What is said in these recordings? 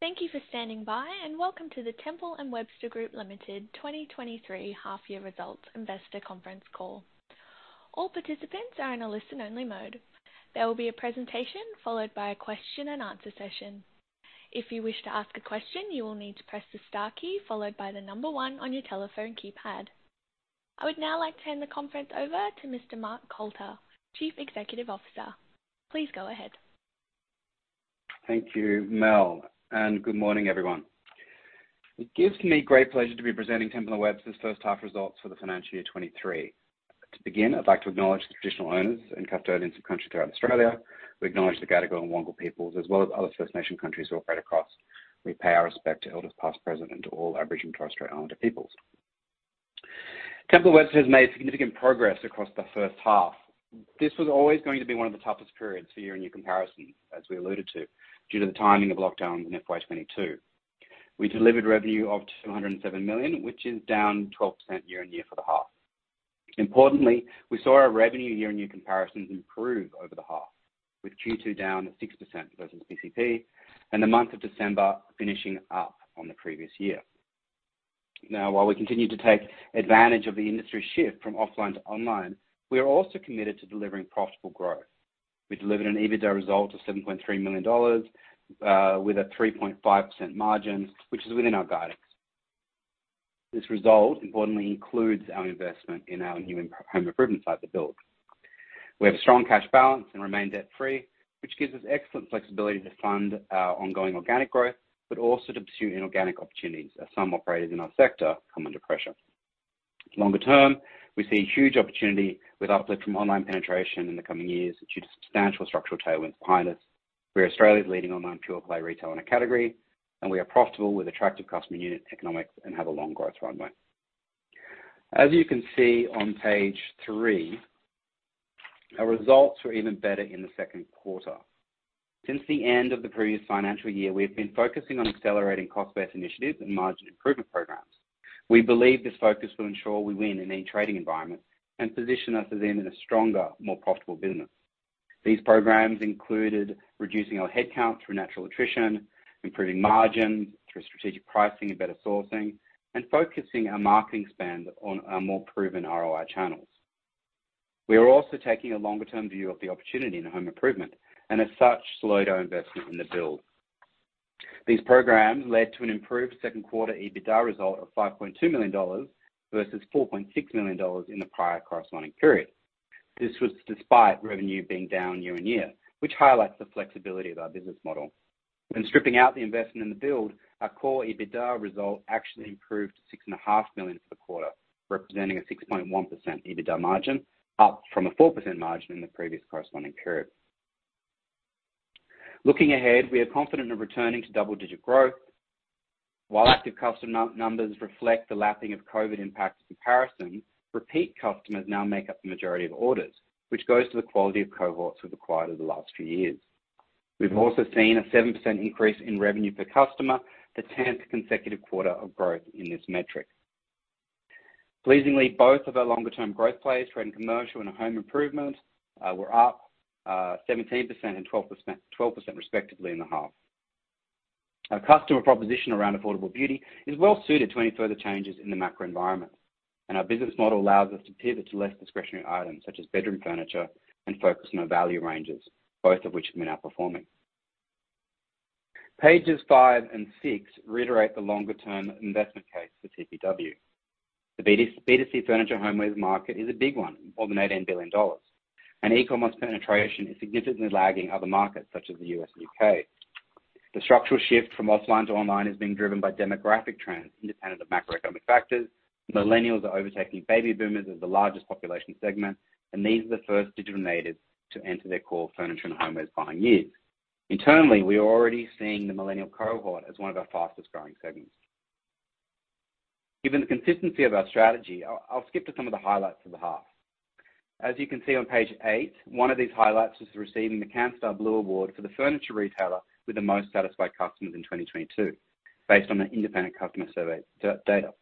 Thank you for standing by. Welcome to the Temple & Webster Group Limited 2023 half year results investor conference call. All participants are in a listen-only mode. There will be a presentation followed by a question and answer session. If you wish to ask a question, you will need to press the star key followed by the number one on your telephone keypad. I would now like to hand the conference over to Mr. Mark Coulter, Chief Executive Officer. Please go ahead. Thank you, Mel, and good morning, everyone. It gives me great pleasure to be presenting Temple & Webster's first half results for the financial year 2023. To begin, I'd like to acknowledge the traditional owners and custodians of country throughout Australia. We acknowledge the Gadigal and Wangal peoples, as well as other First Nation countries we operate across. We pay our respect to elders past, present, and to all Aboriginal and Torres Strait Islander peoples. Temple & Webster has made significant progress across the first half. This was always going to be one of the toughest periods for year-on-year comparison, as we alluded to, due to the timing of lockdowns in FY 2022. We delivered revenue of 207 million, which is down 12% year-on-year for the half. Importantly, we saw our revenue year-on-year comparisons improve over the half, with Q2 down 6% versus PCP and the month of December finishing up on the previous year. While we continue to take advantage of the industry shift from offline to online, we are also committed to delivering profitable growth. We delivered an EBITDA result of $7.3 million, with a 3.5% margin, which is within our guidance. This result importantly includes our investment in our new in-home improvement site, The Build. We have a strong cash balance and remain debt-free, which gives us excellent flexibility to fund our ongoing organic growth, but also to pursue inorganic opportunities as some operators in our sector come under pressure. Longer term, we see huge opportunity with uplift from online penetration in the coming years due to substantial structural tailwinds behind us. We are Australia's leading online pure play retail and a category, and we are profitable with attractive customer unit economics and have a long growth runway. As you can see on page three, our results were even better in the second quarter. Since the end of the previous financial year, we've been focusing on accelerating cost-based initiatives and margin improvement programs. We believe this focus will ensure we win in any trading environment and position us as in a stronger, more profitable business. These programs included reducing our headcount through natural attrition, improving margins through strategic pricing and better sourcing, and focusing our marketing spend on our more proven ROI channels. We are also taking a longer term view of the opportunity in the home improvement, and as such, slowed our investment in The Build. These programs led to an improved second-quarter EBITDA result of $5.2 million versus $4.6 million in the prior corresponding period. This was despite revenue being down year-on-year, which highlights the flexibility of our business model. When stripping out the investment in The Build, our core EBITDA result actually improved $6.5 million for the quarter, representing a 6.1% EBITDA margin, up from a 4% margin in the previous corresponding period. Looking ahead, we are confident in returning to double-digit growth. While active customer numbers reflect the lapping of COVID impact comparison, repeat customers now make up the majority of orders, which goes to the quality of cohorts we've acquired over the last few years. We've also seen a 7% increase in revenue per customer, the tenth consecutive quarter of growth in this metric. Pleasingly, both of our longer-term growth plays, trade and commercial and home improvement, were up 17% and 12% respectively in the half. Our customer proposition around affordable beauty is well-suited to any further changes in the macro environment, and our business model allows us to pivot to less discretionary items such as bedroom furniture and focus on our value ranges, both of which have been outperforming. Pages five and six reiterate the longer-term investment case for TPW. The B2C furniture and homewares market is a big one, more than $18 billion, and e-commerce penetration is significantly lagging other markets such as the US and UK. The structural shift from offline to online is being driven by demographic trends independent of macroeconomic factors. Millennials are overtaking baby boomers as the largest population segment, and these are the first digital natives to enter their core furniture and homewares buying years. Internally, we are already seeing the millennial cohort as one of our fastest-growing segments. Given the consistency of our strategy, I'll skip to some of the highlights for the half. As you can see on page eight, one of these highlights is receiving the Canstar Blue Award for the furniture retailer with the most satisfied customers in 2022, based on an independent customer survey data.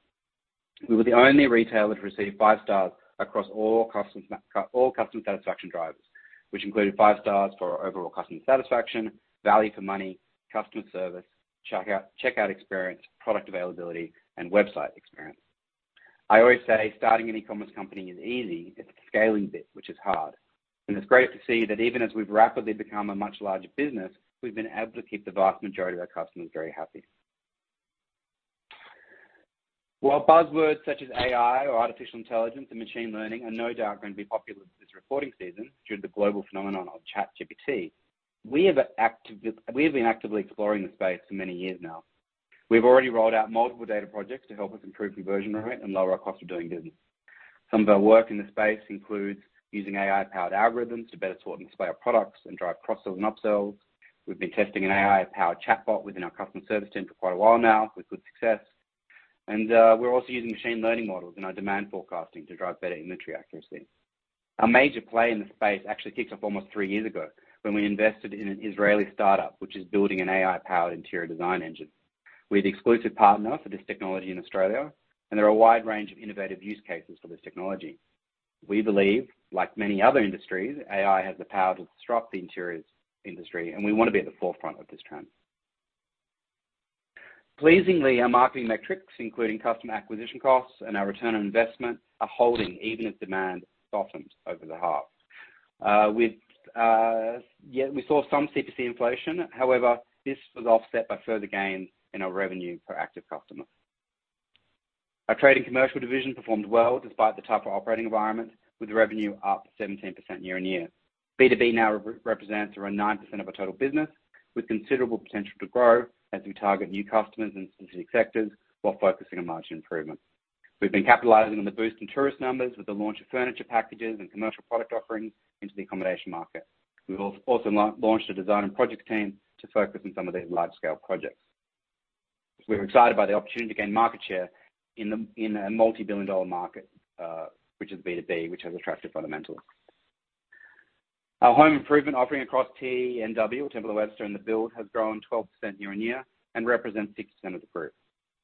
We were the only retailer to receive five stars across all customer satisfaction drivers, which included five stars for our overall customer satisfaction, value for money, customer service, checkout experience, product availability, and website experience. I always say starting an e-commerce company is easy, it's the scaling bit which is hard, and it's great to see that even as we've rapidly become a much larger business, we've been able to keep the vast majority of our customers very happy. While buzzwords such as AI or artificial intelligence and machine learning are no doubt gonna be popular this reporting season due to the global phenomenon of ChatGPT, we have been actively exploring the space for many years now. We've already rolled out multiple data projects to help us improve conversion rate and lower our cost of doing business. Some of our work in this space includes using AI-powered algorithms to better sort and display our products and drive cross-sell and upsells. We've been testing an AI-powered chatbot within our customer service center for quite a while now with good success. We're also using machine learning models in our demand forecasting to drive better inventory accuracy. Our major play in the space actually kicked off almost three years ago when we invested in an Israeli startup, which is building an AI-powered interior design engine. We're the exclusive partner for this technology in Australia, and there are a wide range of innovative use cases for this technology. We believe, like many other industries, AI has the power to disrupt the interiors industry, and we wanna be at the forefront of this trend. Pleasingly, our marketing metrics, including customer acquisition costs and our return on investment, are holding even as demand softens over the half. Yeah, we saw some CPC inflation. However, this was offset by further gains in our revenue per active customer. Our trade and commercial division performed well despite the tougher operating environment, with revenue up 17% year-on-year. B2B now represents around 9% of our total business, with considerable potential to grow as we target new customers in strategic sectors while focusing on margin improvement. We've been capitalizing on the boost in tourist numbers with the launch of furniture packages and commercial product offerings into the accommodation market. We've also launched a design and project team to focus on some of these large-scale projects. We're excited by the opportunity to gain market share in a multi-billion dollar market, which is B2B, which has attractive fundamentals. Our home improvement offering across TNW, Temple & Webster, and The Build has grown 12% year-on-year and represents 6% of the group,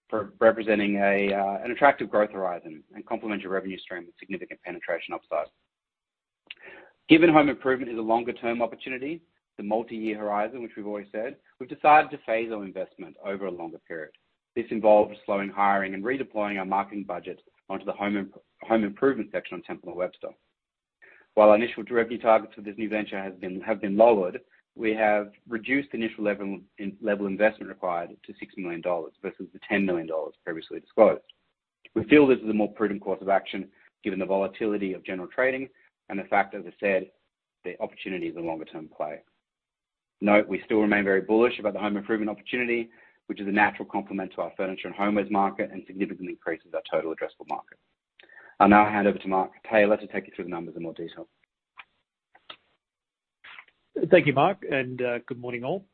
for representing an attractive growth horizon and complementary revenue stream with significant penetration upside. Given home improvement is a longer-term opportunity, the multi-year horizon, which we've always said, we've decided to phase our investment over a longer period. This involves slowing hiring and redeploying our marketing budget onto the home improvement section on Temple & Webster. While our initial revenue targets for this new venture have been lowered, we have reduced the initial level investment required to $6 million versus the $10 million previously disclosed. We feel this is a more prudent course of action given the volatility of general trading and the fact that as I said, the opportunity is a longer-term play. Note, we still remain very bullish about the home improvement opportunity, which is a natural complement to our furniture and homewares market and significantly increases our total addressable market. I'll now hand over to Mark Tayler to take you through the numbers in more detail. Thank you, Mark. Good morning, all.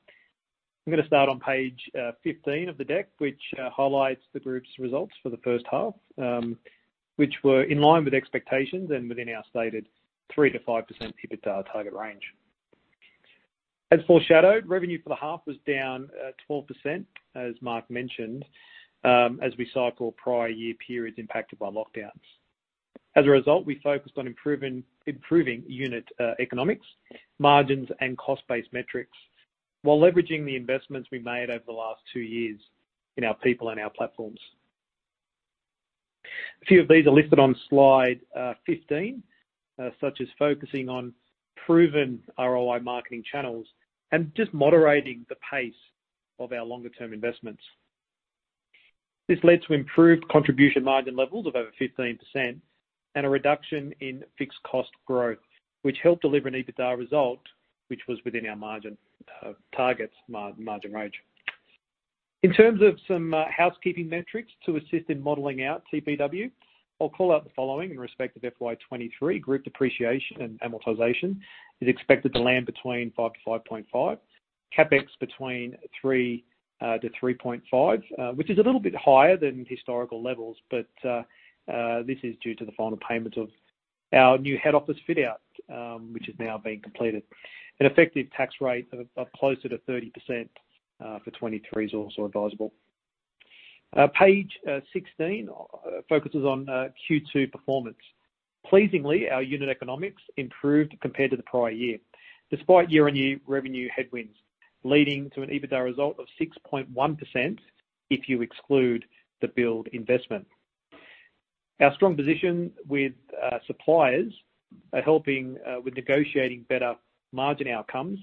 I'm going to start on page 15 of the deck, which highlights the group's results for the first half, which were in line with expectations and within our stated 3%-5% EBITDA target range. As foreshadowed, revenue for the half was down 12%, as Mark mentioned, as we cycle prior year periods impacted by lockdowns. As a result, we focused on improving unit economics, margins, and cost-based metrics while leveraging the investments we made over the last two years in our people and our platforms. A few of these are listed on slide 15, such as focusing on proven ROI marketing channels and just moderating the pace of our longer-term investments. This led to improved contribution margin levels of over 15% and a reduction in fixed cost growth, which helped deliver an EBITDA result, which was within our margin targets margin range. In terms of some housekeeping metrics to assist in modeling out TPW, I'll call out the following in respect of FY 2023. Group depreciation and amortization is expected to land between $5 million-$5.5 million. CapEx between $3 million-$3.5 million, which is a little bit higher than historical levels, but this is due to the final payments of our new head office fit-out, which is now being completed. An effective tax rate of closer to 30% for 2023 is also advisable. Page 16 focuses on Q2 performance. Pleasingly, our unit economics improved compared to the prior year, despite year-on-year revenue headwinds, leading to an EBITDA result of 6.1% if you exclude The Build investment. Our strong position with suppliers are helping with negotiating better margin outcomes,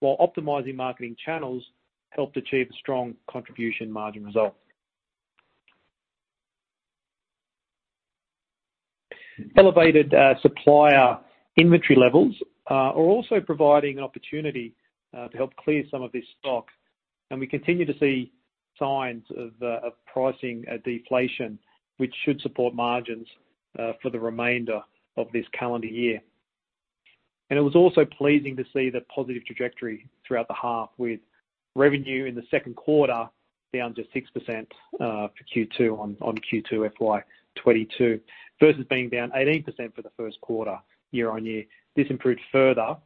while optimizing marketing channels helped achieve a strong contribution margin result. Elevated supplier inventory levels are also providing an opportunity to help clear some of this stock, and we continue to see signs of pricing deflation, which should support margins for the remainder of this calendar year. It was also pleasing to see the positive trajectory throughout the half with revenue in the second quarter down just 6% for Q2 on Q2 FY 2022 versus being down 18% for the first quarter year-on-year. This improved further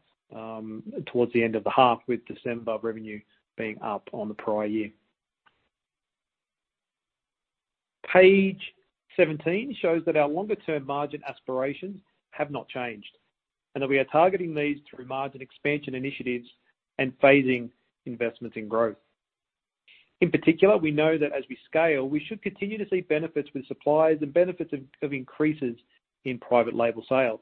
towards the end of the half, with December revenue being up on the prior year. Page 17 shows that our longer-term margin aspirations have not changed, and that we are targeting these through margin expansion initiatives and phasing investments in growth. In particular, we know that as we scale, we should continue to see benefits with suppliers and benefits of increases in private label sales.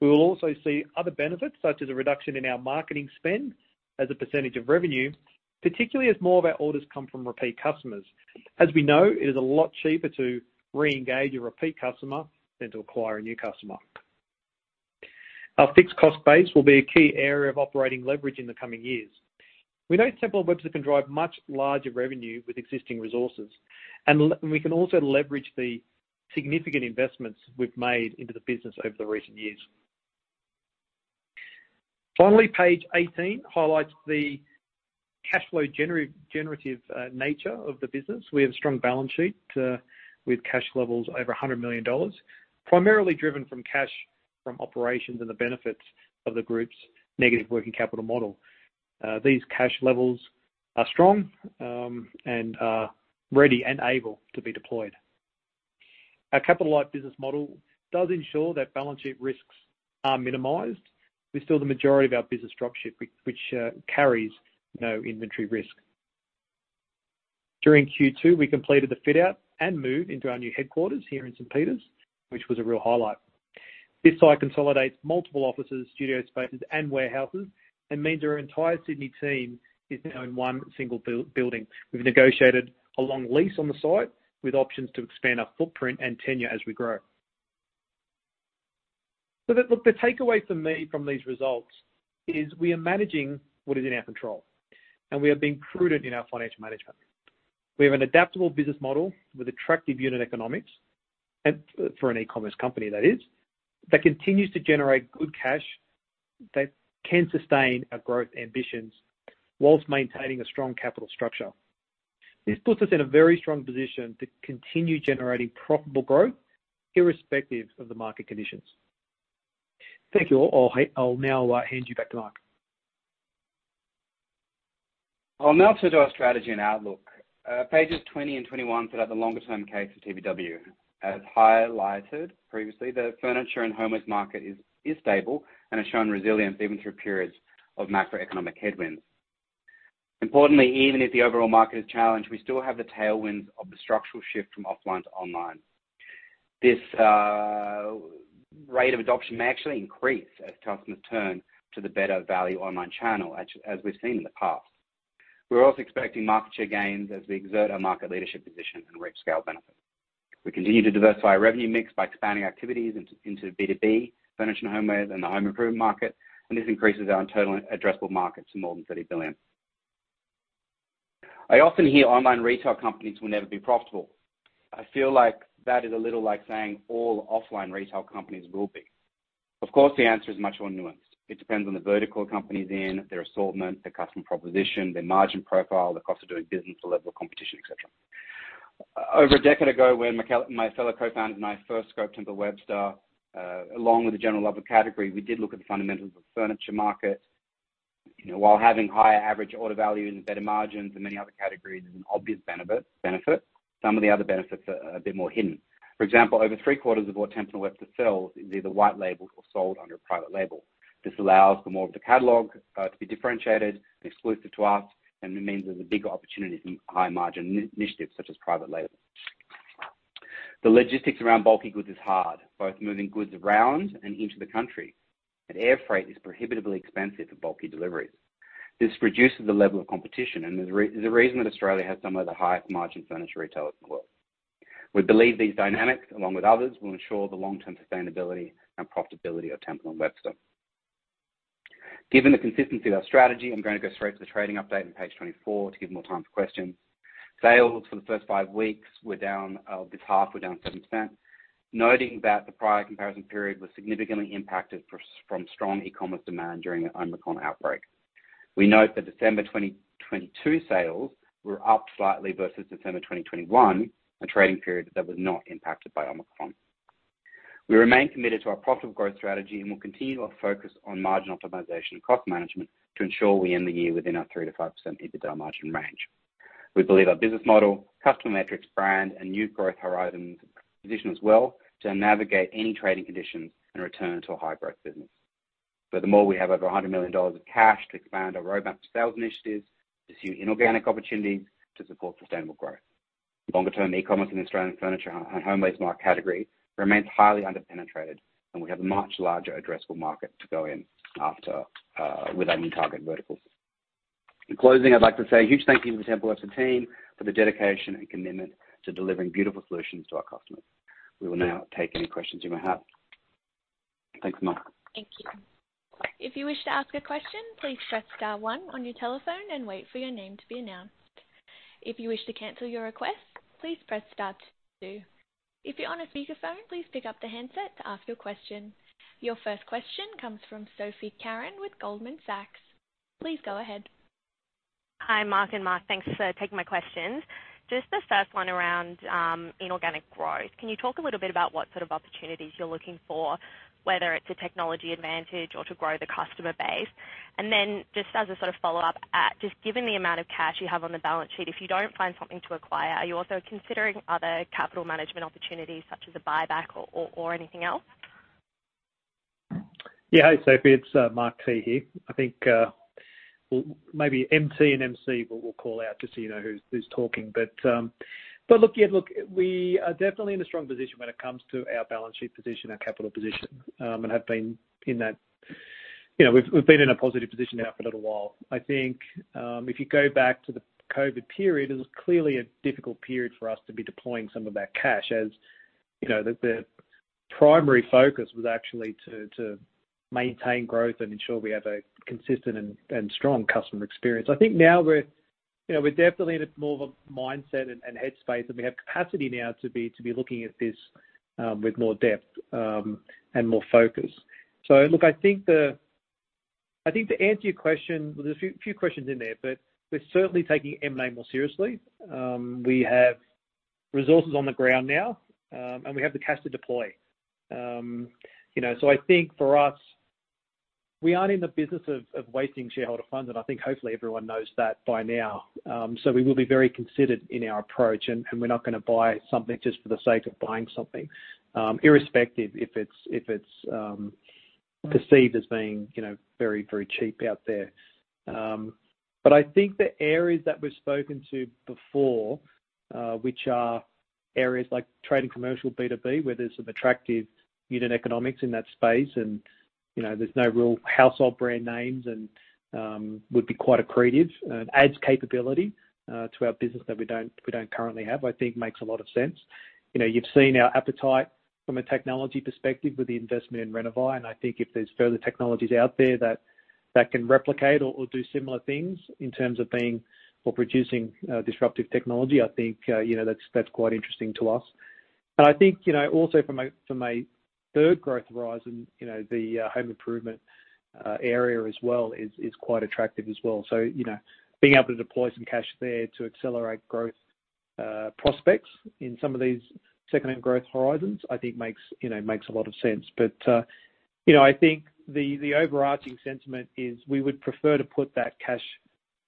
We will also see other benefits, such as a reduction in our marketing spend as a % of revenue, particularly as more of our orders come from repeat customers. As we know, it is a lot cheaper to re-engage a repeat customer than to acquire a new customer. Our fixed cost base will be a key area of operating leverage in the coming years. We know Temple & Webster can drive much larger revenue with existing resources. We can also leverage the significant investments we've made into the business over the recent years. Finally, page 18 highlights the cash flow generative nature of the business. We have a strong balance sheet with cash levels over $100 million, primarily driven from cash from operations and the benefits of the group's negative working capital model. These cash levels are strong, and ready and able to be deployed. Our capital-like business model does ensure that balance sheet risks are minimized. We're still the majority of our business structure which carries no inventory risk. During Q2, we completed the fit-out and move into our new headquarters here in St. Peters, which was a real highlight. This site consolidates multiple offices, studio spaces, and warehouses, means our entire Sydney team is now in one single building. We've negotiated a long lease on the site with options to expand our footprint and tenure as we grow. The takeaway for me from these results is we are managing what is in our control, we are being prudent in our financial management. We have an adaptable business model with attractive unit economics, for an e-commerce company that continues to generate good cash that can sustain our growth ambitions whilst maintaining a strong capital structure. This puts us in a very strong position to continue generating profitable growth irrespective of the market conditions. Thank you all. I'll now hand you back to Mark. I'll now turn to our strategy and outlook. Pages 20 and 21 set out the longer term case for TBW. As highlighted previously, the furniture and homewares market is stable and has shown resilience even through periods of macroeconomic headwinds. Importantly, even if the overall market is challenged, we still have the tailwinds of the structural shift from offline to online. This rate of adoption may actually increase as customers turn to the better value online channel, as we've seen in the past. We're also expecting market share gains as we exert our market leadership position and reap scale benefits. We continue to diversify our revenue mix by expanding activities into B2B, furniture and homewares, and the home improvement market, and this increases our total addressable market to more than $30 billion. I often hear online retail companies will never be profitable. I feel like that is a little like saying all offline retail companies will be. Of course, the answer is much more nuanced. It depends on the vertical company they're in, their assortment, their customer proposition, their margin profile, the cost of doing business, the level of competition, et cetera. Over a decade ago when my fellow co-founder and I first scoped Temple & Webster, along with the general level category, we did look at the fundamentals of furniture market. You know, while having higher average order value and better margins than many other categories is an obvious benefit, some of the other benefits are a bit more hidden. For example, over 3/4 of what Temple & Webster sells is either white labeled or sold under a private label. This allows for more of the catalog to be differentiated and exclusive to us, and it means there's a bigger opportunity for high-margin initiatives such as private label. The logistics around bulky goods is hard, both moving goods around and into the country. Air freight is prohibitively expensive for bulky deliveries. This reduces the level of competition, and there's a reason that Australia has some of the highest margin furniture retailers in the world. We believe these dynamics, along with others, will ensure the long-term sustainability and profitability of Temple & Webster. Given the consistency of our strategy, I'm gonna go straight to the trading update on page 24 to give more time for questions. Sales for the first five weeks were down, this half were down 7%, noting that the prior comparison period was significantly impacted from strong e-commerce demand during the Omicron outbreak. We note that December 2022 sales were up slightly versus December 2021, a trading period that was not impacted by Omicron. We remain committed to our profitable growth strategy and will continue our focus on margin optimization and cost management to ensure we end the year within our 3%-5% EBITDA margin range. We believe our business model, customer metrics, brand, and new growth horizons position us well to navigate any trading conditions and return to a high-growth business. For the more we have over $100 million of cash to expand our roadmap to sales initiatives, pursue inorganic opportunities to support sustainable growth. Longer-term, e-commerce in Australian furniture and homewares market category remains highly underpenetrated, and we have a much larger addressable market to go in after, with our new target verticals. In closing, I'd like to say a huge thank you to the Temple & Webster team for the dedication and commitment to delivering beautiful solutions to our customers. We will now take any questions you may have. Thanks, Mark. Thank you. If you wish to ask a question, please press star one on your telephone and wait for your name to be announced. If you wish to cancel your request, please press star two. If you're on a speakerphone, please pick up the handset to ask your question. Your first question comes from Sophie Carran with Goldman Sachs. Please go ahead. Hi, Mark and Mark. Thanks for taking my questions. Just the first one around inorganic growth. Can you talk a little bit about what sort of opportunities you're looking for, whether it's a technology advantage or to grow the customer base? Just as a sort of follow-up, just given the amount of cash you have on the balance sheet, if you don't find something to acquire, are you also considering other capital management opportunities such as a buyback or anything else? Hi, Sophie. It's Mark T. here. I think well, maybe M.T. and M.C. we'll call out just so you know who's talking. Look, yeah, look, we are definitely in a strong position when it comes to our balance sheet position, our capital position, and have been in that you know, we've been in a positive position now for a little while. I think if you go back to the COVID period, it was clearly a difficult period for us to be deploying some of that cash, as, you know, the primary focus was actually to maintain growth and ensure we have a consistent and strong customer experience. I think now we're, you know, we're definitely in a more of a mindset and headspace, and we have capacity now to be looking at this with more depth and more focus. Look, I think to answer your question, well, there's a few questions in there, but we're certainly taking M&A more seriously. We have resources on the ground now, and we have the cash to deploy. You know, I think for us. We aren't in the business of wasting shareholder funds, and I think hopefully everyone knows that by now. We will be very considered in our approach, and we're not gonna buy something just for the sake of buying something, irrespective if it's, if it's perceived as being, you know, very cheap out there. I think the areas that we've spoken to before, which are areas like trade and commercial B2B, where there's some attractive unit economics in that space, and, you know, there's no real household brand names and would be quite accretive and adds capability to our business that we don't currently have, I think makes a lot of sense. You know, you've seen our appetite from a technology perspective with the investment in Renovai, I think if there's further technologies out there that can replicate or do similar things in terms of being or producing disruptive technology, I think, you know, that's quite interesting to us. I think, you know, also from a third growth horizon, you know, the home improvement area as well is quite attractive as well. you know, being able to deploy some cash there to accelerate growth, prospects in some of these second-hand growth horizons, I think makes, you know, makes a lot of sense. you know, I think the overarching sentiment is we would prefer to put that cash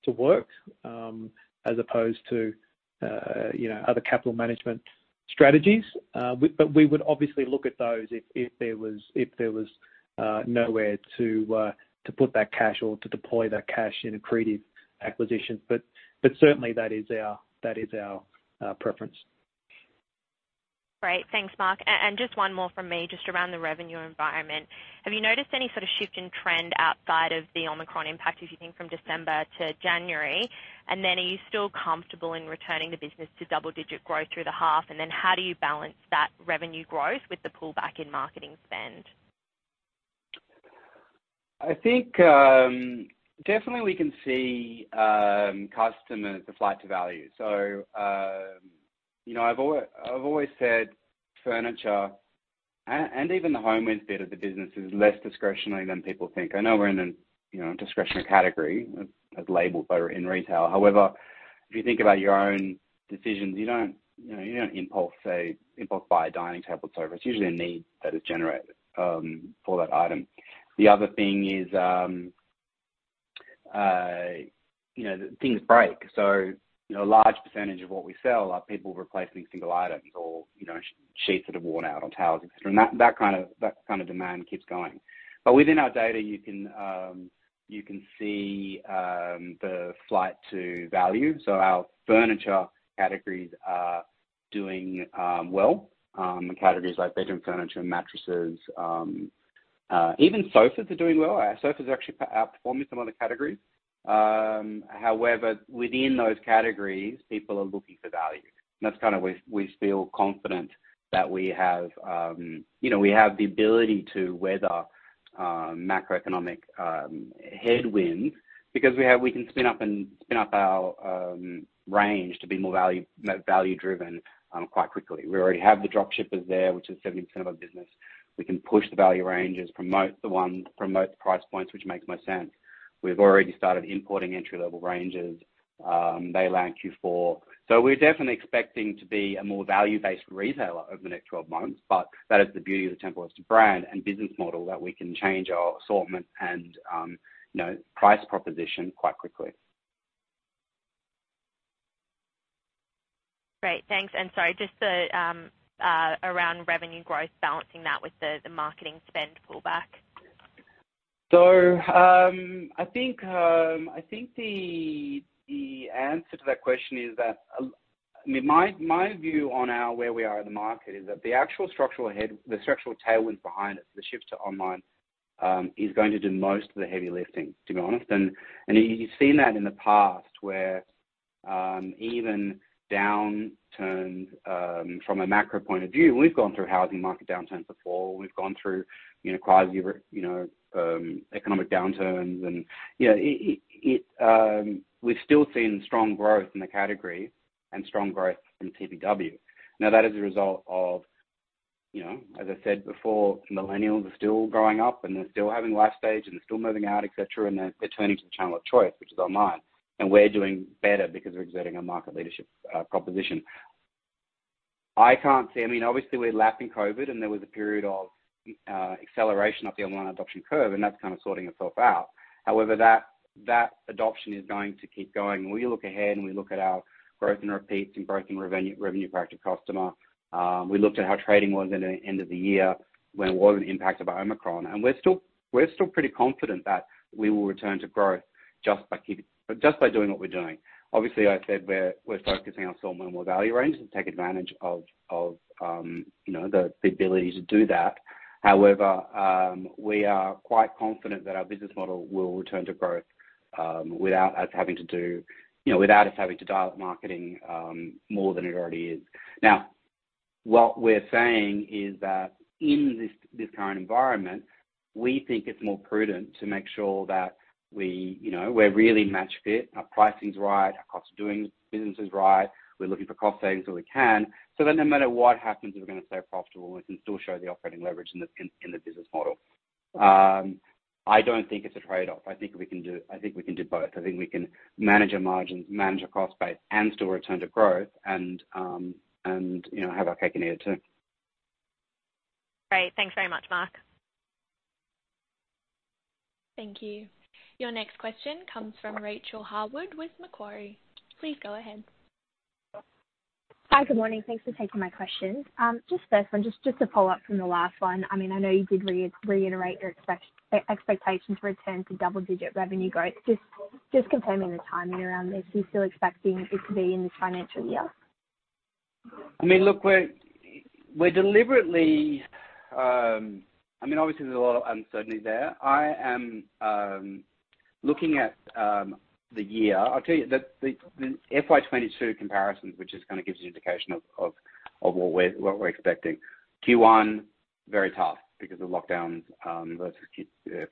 to work, as opposed to, you know, other capital management strategies. we would obviously look at those if there was nowhere to put that cash or to deploy that cash in accretive acquisitions. certainly that is our preference. Great. Thanks, Mark. Just one more from me, just around the revenue environment. Have you noticed any sort of shift in trend outside of the Omicron impact, if you think from December to January? Are you still comfortable in returning the business to double-digit growth through the half? How do you balance that revenue growth with the pullback in marketing spend? I think, definitely we can see customers, the flight to value. You know, I've always said furniture and even the homewares bit of the business is less discretionary than people think. I know we're in an, you know, discretionary category as labeled in retail. However, if you think about your own decisions, you don't, you know, you don't impulse, say, impulse buy a dining table. It's usually a need that is generated for that item. The other thing is, you know, things break. You know, a large percentage of what we sell are people replacing single items or, you know, sheets that are worn out or towels, etc That kind of demand keeps going. Within our data, you can see the flight to value. Our furniture categories are doing well. Categories like bedroom furniture, mattresses, even sofas are doing well. Our sofas are actually outperforming some other categories. However, within those categories, people are looking for value. That's kind of we feel confident that we have, you know, we have the ability to weather macroeconomic headwinds because we can spin up our range to be more value-driven quite quickly. We already have the drop shippers there, which is 17% of our business. We can push the value ranges, promote the price points, which makes more sense. We've already started importing entry-level ranges. They land Q4. We're definitely expecting to be a more value-based retailer over the next 12 months, but that is the beauty of the Temple & Webster brand and business model, that we can change our assortment and, you know, price proposition quite quickly. Great. Thanks. Sorry, just the around revenue growth, balancing that with the marketing spend pullback. I think, I think the answer to that question is that, I mean, my view on where we are in the market is that the actual structural tailwind behind it, the shift to online, is going to do most of the heavy lifting, to be honest. You've seen that in the past where, even downturns, from a macro point of view, we've gone through housing market downturns before. We've gone through, you know, quasi, you know, economic downturns and, you know, it, we've still seen strong growth in the category and strong growth in TPW. That is a result of, you know, as I said before, millennials are still growing up and they're still having life stage and they're still moving out, et cetera, and they're turning to the channel of choice, which is online. We're doing better because we're exerting a market leadership proposition. I mean, obviously, we're lapping COVID, and there was a period of acceleration of the online adoption curve, and that's kind of sorting itself out. That adoption is going to keep going. We look ahead and we look at our growth in repeats and growth in revenue per active customer. We looked at how trading was in the end of the year what was the impact of Omicron. We're still pretty confident that we will return to growth just by doing what we're doing. Obviously, I said we're focusing on some more value ranges to take advantage of, you know, the ability to do that. However, we are quite confident that our business model will return to growth, without us having to do, you know, without us having to dial up marketing, more than it already is. What we're saying is that in this current environment, we think it's more prudent to make sure that we, you know, we're really match fit, our pricing's right, our cost of doing business is right. We're looking for cost savings where we can, so that no matter what happens, we're gonna stay profitable and can still show the operating leverage in the business model. I don't think it's a trade-off. I think we can do both. I think we can manage our margins, manage our cost base, and still return to growth and, you know, have our cake and eat it too. Great. Thanks very much, Mark. Thank you. Your next question comes from Rachael Harwood with Macquarie. Please go ahead. Hi. Good morning. Thanks for taking my questions. Just first one, just to follow up from the last one. I mean, I know you did reiterate your expectation to return to double-digit revenue growth. Just confirming the timing around this. Are you still expecting it to be in this financial year? I mean, look, we're deliberately. I mean, obviously, there's a lot of uncertainty there. I am looking at the year. I'll tell you, the FY 2022 comparisons, which just kind of gives you an indication of what we're expecting. Q1, very tough because of lockdowns versus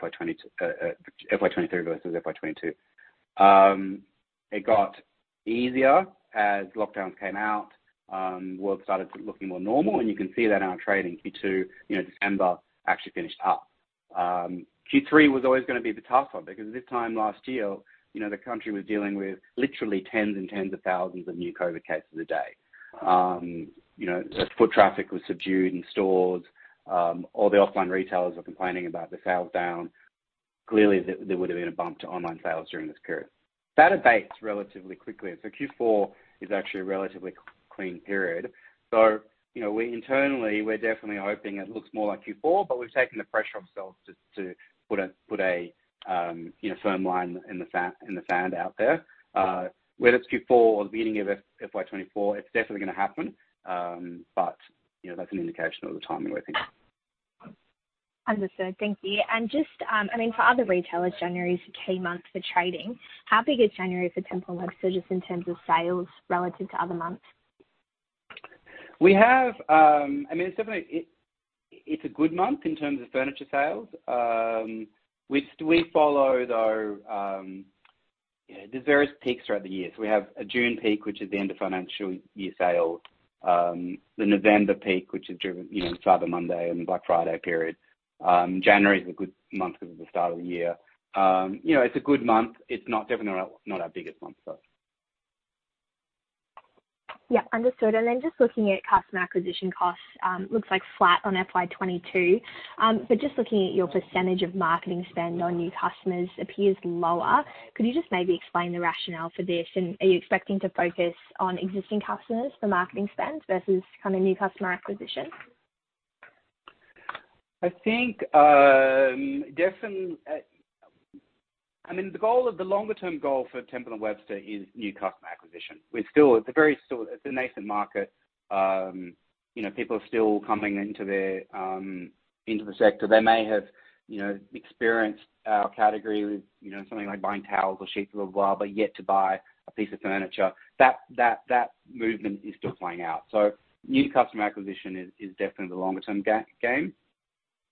FY 2023 versus FY 2022. It got easier as lockdowns came out. Work started looking more normal, and you can see that in our trading. Q2, you know, December actually finished up. Q3 was always gonna be the tough one because this time last year, you know, the country was dealing with literally tens and tens of thousands of new COVID cases a day. You know, foot traffic was subdued in stores. All the offline retailers were complaining about the sales down. Clearly, there would've been a bump to online sales during this period. That abates relatively quickly. Q4 is actually a relatively clean period. You know, we internally, we're definitely hoping it looks more like Q4, but we've taken the pressure off ourselves to put a firm line in the sand out there. Whether it's Q4 or the beginning of FY 2024, it's definitely gonna happen, but, you know, that's an indication of the timing we're thinking. Understood. Thank you. I mean, for other retailers, January is a key month for trading. How big is January for Temple & Webster just in terms of sales relative to other months? We have, I mean, it's definitely, it's a good month in terms of furniture sales. We follow, though, you know, there's various peaks throughout the year. We have a June peak, which is the end of financial year sale, the November peak, which is driven, you know, Cyber Monday and Black Friday period. January is a good month 'cause it's the start of the year. You know, it's a good month. It's not, definitely not our biggest month, so. Yeah, understood. Just looking at customer acquisition costs, looks like flat on FY 2022. Just looking at your percentage of marketing spend on new customers appears lower. Could you just maybe explain the rationale for this, and are you expecting to focus on existing customers for marketing spends versus kind of new customer acquisition? I think, I mean, the longer term goal for Temple & Webster is new customer acquisition. We're still at the very start. It's a nascent market. You know, people are still coming into the, into the sector. They may have, you know, experienced our category with, you know, something like buying towels or sheets or blah, blah, but yet to buy a piece of furniture. That movement is still playing out. New customer acquisition is definitely the longer term game.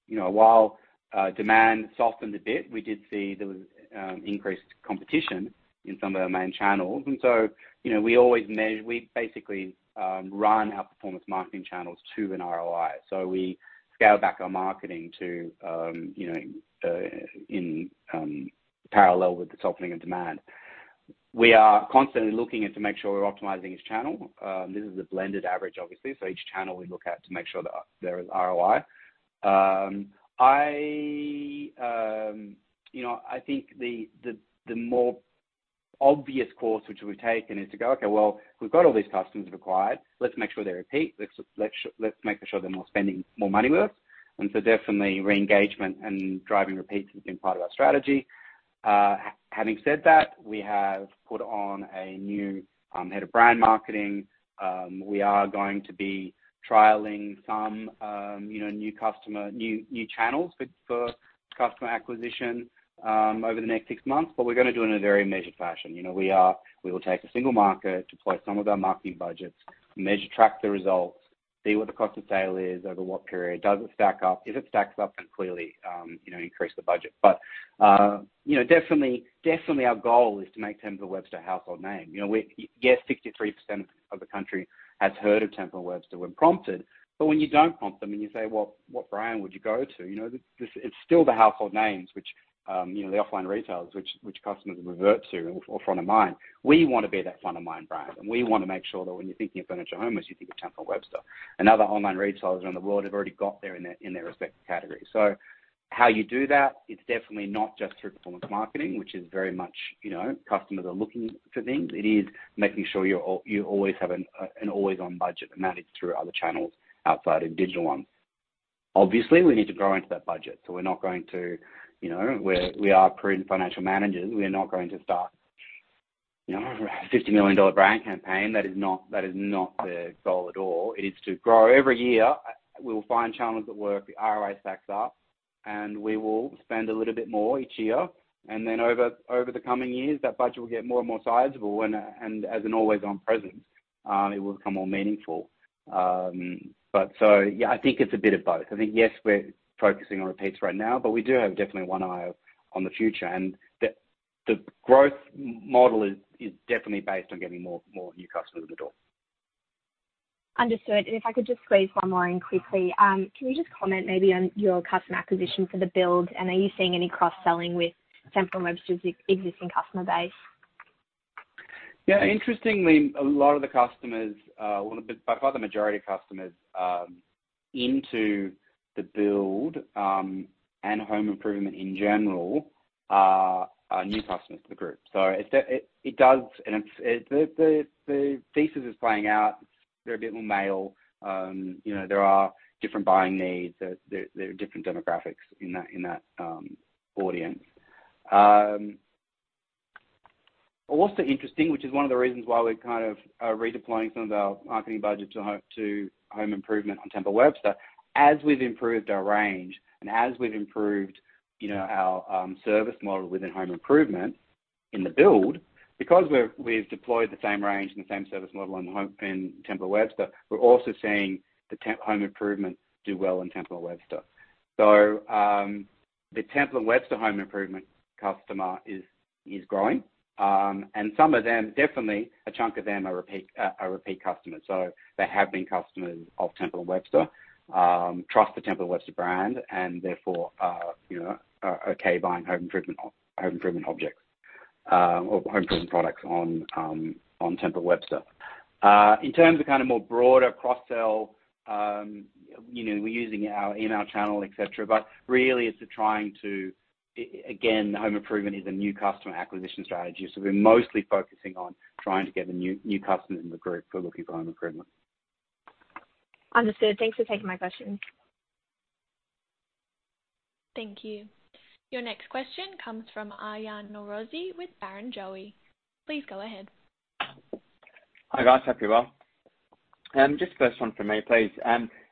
You know, while demand softened a bit, we did see there was increased competition in some of the main channels. You know, we basically run our performance marketing channels to an ROI. We scale back our marketing to, you know, in parallel with the softening of demand. We are constantly looking at to make sure we're optimizing each channel. This is a blended average, obviously. Each channel we look at to make sure that there is ROI. I, you know, I think the more obvious course which we've taken is to go, "Okay, well, we've got all these customers acquired. Let's make sure they repeat. Let's make sure they're more spending more money with us." Definitely re-engagement and driving repeats has been part of our strategy. Having said that, we have put on a new head of brand marketing. We are going to be trialing some, you know, new customer, new channels for customer acquisition over the next six months, but we're gonna do it in a very measured fashion. You know, we will take a single market, deploy some of our marketing budgets, measure, track the results, see what the cost of sale is over what period. Does it stack up? If it stacks up, clearly, you know, increase the budget. You know, definitely our goal is to make Temple & Webster a household name. You know, Yes, 63% of the country has heard of Temple & Webster when prompted. When you don't prompt them and you say, "Well, what brand would you go to?" You know, this it's still the household names which, you know, the offline retailers which customers revert to or front of mind. We wanna be that front of mind brand, and we wanna make sure that when you're thinking of furniture homes, you think of Temple & Webster, and other online retailers around the world have already got there in their, in their respective categories. How you do that, it's definitely not just through performance marketing, which is very much, you know, customers are looking for things. It is making sure you always have an always on budget and manage through other channels outside of digital ones. Obviously, we need to grow into that budget, so we're not going to, you know, we are prudent financial managers. We are not going to start, you know, a $50 million brand campaign. That is not, that is not the goal at all. It is to grow every year. We will find channels that work, the ROI stacks up, and we will spend a little bit more each year. Then over the coming years, that budget will get more and more sizable when, and as an always on presence, it will become more meaningful. So, yeah, I think it's a bit of both. I think, yes, we're focusing on repeats right now, but we do have definitely one eye on the future. The growth model is definitely based on getting more new customers in the door. Understood. If I could just squeeze one more in quickly. Can you just comment maybe on your customer acquisition for The Build? Are you seeing any cross-selling with Temple & Webster's existing customer base? Interestingly, a lot of the customers, well, by far the majority of customers, into The Build, and home improvement in general are new customers to the group. It does, the thesis is playing out. They're a bit more male. You know, there are different buying needs. There are different demographics in that audience. Also interesting, which is one of the reasons why we're kind of redeploying some of our marketing budget to home improvement on Temple & Webster. As we've improved our range and as we've improved, you know, our service model within home improvement in The Build, because we've deployed the same range and the same service model in Temple & Webster, we're also seeing the home improvement do well in Temple & Webster. The Temple & Webster home improvement customer is growing. Some of them, definitely a chunk of them are repeat customers. They have been customers of Temple & Webster, trust the Temple & Webster brand and therefore, you know, are okay buying home improvement objects or home improvement products on Temple & Webster. In terms of kind of more broader cross-sell, you know, we're using our email channel, et cetera. Really it's trying to, again, home improvement is a new customer acquisition strategy, so we're mostly focusing on trying to get the new customers in the group who are looking for home improvement. Understood. Thanks for taking my question. Thank you. Your next question comes from Ayan Noorazi with Barrenjoey. Please go ahead. Hi, guys. Hope you're well. Just first one for me, please.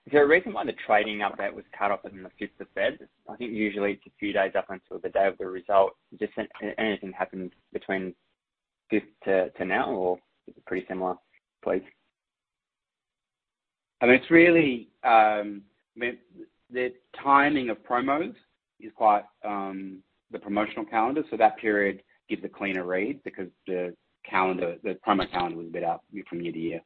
Is there a reason why the trading update was cut off on the 5th of February? I think usually it's a few days up until the day of the result. Just anything happened between 5th to now, or is it pretty similar, please? I mean, it's really, I mean, the timing of promos is quite, the promotional calendar. That period gives a cleaner read because the calendar, the promo calendar was a bit out from near the year.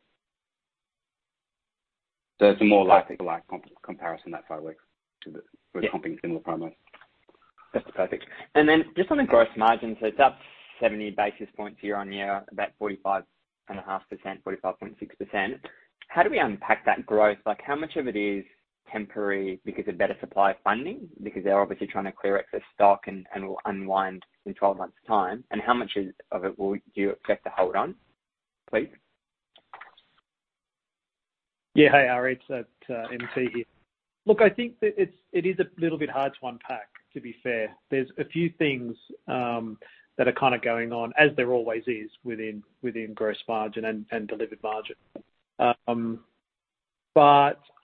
It's a more like for like comparison that way to the. Yeah. -comping similar promos. That's perfect. Just on the gross margin, it's up 70 basis points year-on-year, about 45.5%, 45.6%. How do we unpack that growth? Like, how much of it is temporary because of better supply funding? Because they're obviously trying to clear excess stock and will unwind in 12 months time. How much of it will you expect to hold on, please? Hey, Ayan. It's M.T. here. I think that it's, it is a little bit hard to unpack, to be fair. There's a few things that are kind of going on as there always is within gross margin and delivered margin.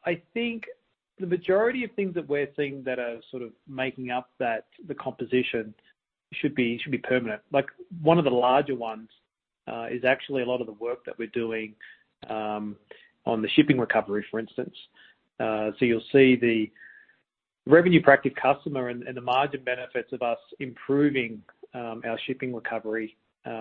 I think the majority of things that we're seeing that are sort of making up that, the composition should be permanent. Like one of the larger ones is actually a lot of the work that we're doing on the shipping recovery, for instance. You'll see the revenue per active customer and the margin benefits of us improving our shipping recovery,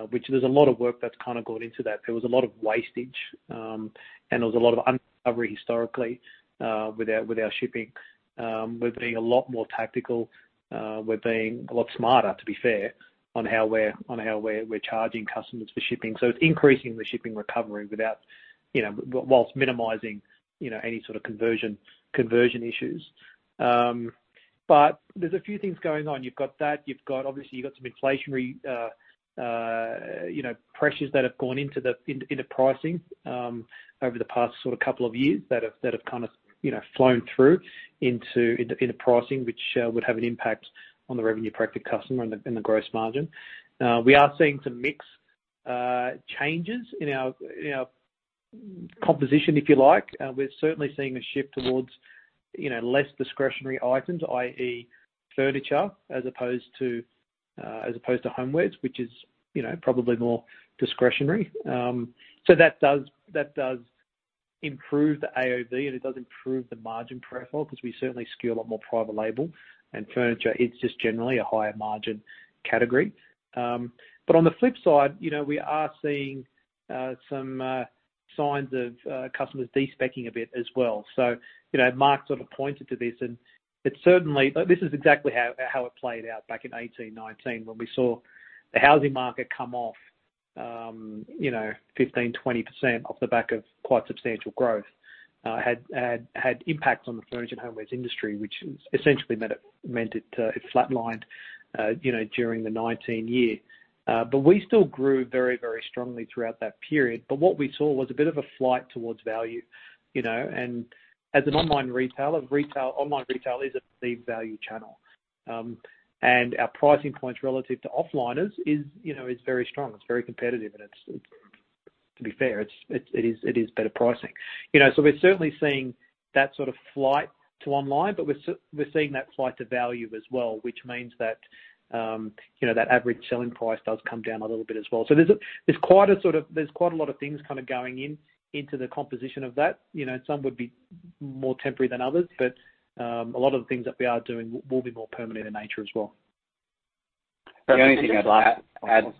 which there's a lot of work that's kind of gone into that. There was a lot of wastage, and there was a lot of unrecovery historically with our shipping. We're being a lot more tactical. We're being a lot smarter, to be fair, on how we're charging customers for shipping. It's increasing the shipping recovery without, you know, whilst minimizing, you know, any sort of conversion issues. There's a few things going on. You've got that. You've got, obviously, you've got some inflationary, you know, pressures that have gone into pricing over the past sort of couple of years that have kind of, you know, flown through into pricing, which would have an impact on the revenue per active customer and the gross margin. We are seeing some mix changes in our composition, if you like. We're certainly seeing a shift towards, you know, less discretionary items, i.e., furniture as opposed to homewares, which is, you know, probably more discretionary. That does improve the AOV and it does improve the margin profile because we certainly skew a lot more private label and furniture is just generally a higher margin category. On the flip side, you know, we are seeing some signs of customers despecing a bit as well. You know, Mark sort of pointed to this, and it certainly this is exactly how it played out back in 18, 19 when we saw the housing market come off, you know, 15%-20% off the back of quite substantial growth. Had impacts on the furniture and homewares industry, which essentially meant it flatlined, you know, during the nineteen year. We still grew very, very strongly throughout that period. What we saw was a bit of a flight towards value, you know. As an online retailer, online retail is a big value channel. Our pricing points relative to offliners is, you know, is very strong. It's very competitive. It's, to be fair, it is better pricing. You know, we're certainly seeing that sort of flight to online, but we're seeing that flight to value as well, which means that, you know, that average selling price does come down a little bit as well. There's quite a lot of things kind of going into the composition of that. You know, some would be more temporary than others, but a lot of the things that we are doing will be more permanent in nature as well. The only thing to add.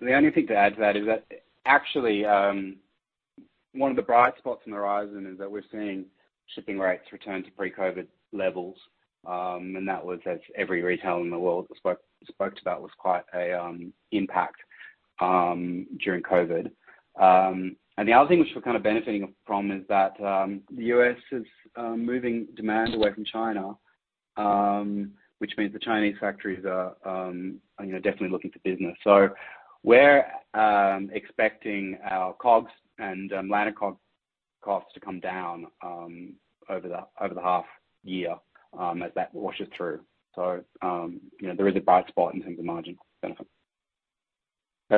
The only thing to add to that is that actually, one of the bright spots on the horizon is that we're seeing shipping rates return to pre-COVID levels, and that was as every retailer in the world spoke to that was quite a impact during COVID. The other thing which we're kind of benefiting from is that the U.S. is moving demand away from China, which means the Chinese factories are, you know, definitely looking for business. We're expecting our COGS and line of costs to come down over the half year as that washes through. You know, there is a bright spot in terms of margin benefit.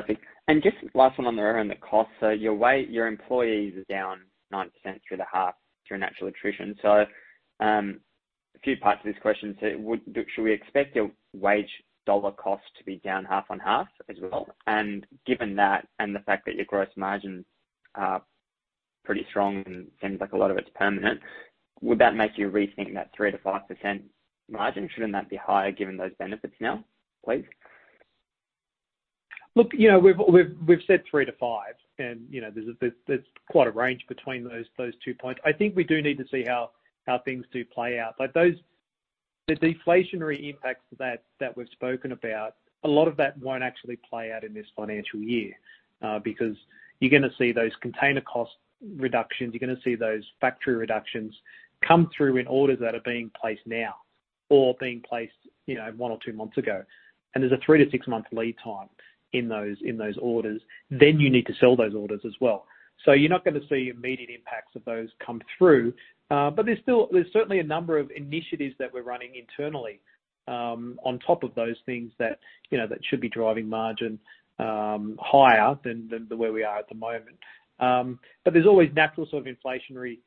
Perfect. Just last one on the around the cost. Your employees are down 9% through the half through natural attrition. A few parts of this question. Would, shall we expect your wage dollar cost to be down half on half as well? Given that and the fact that your gross margins are pretty strong and seems like a lot of it's permanent, would that make you rethink that 3%-5% margin? Shouldn't that be higher given those benefits now, please? Look, you know, we've said three to five and, you know, there's quite a range between those two points. I think we do need to see how things do play out. The deflationary impacts that we've spoken about, a lot of that won't actually play out in this financial year because you're gonna see those container cost reductions, you're gonna see those factory reductions come through in orders that are being placed now or being placed, you know, one or two months ago. There's a three to six-month lead time in those, in those orders, then you need to sell those orders as well. You're not gonna see immediate impacts of those come through. There's still, there's certainly a number of initiatives that we're running internally on top of those things that, you know, that should be driving margin higher than where we are at the moment. There's always natural sort of inflationary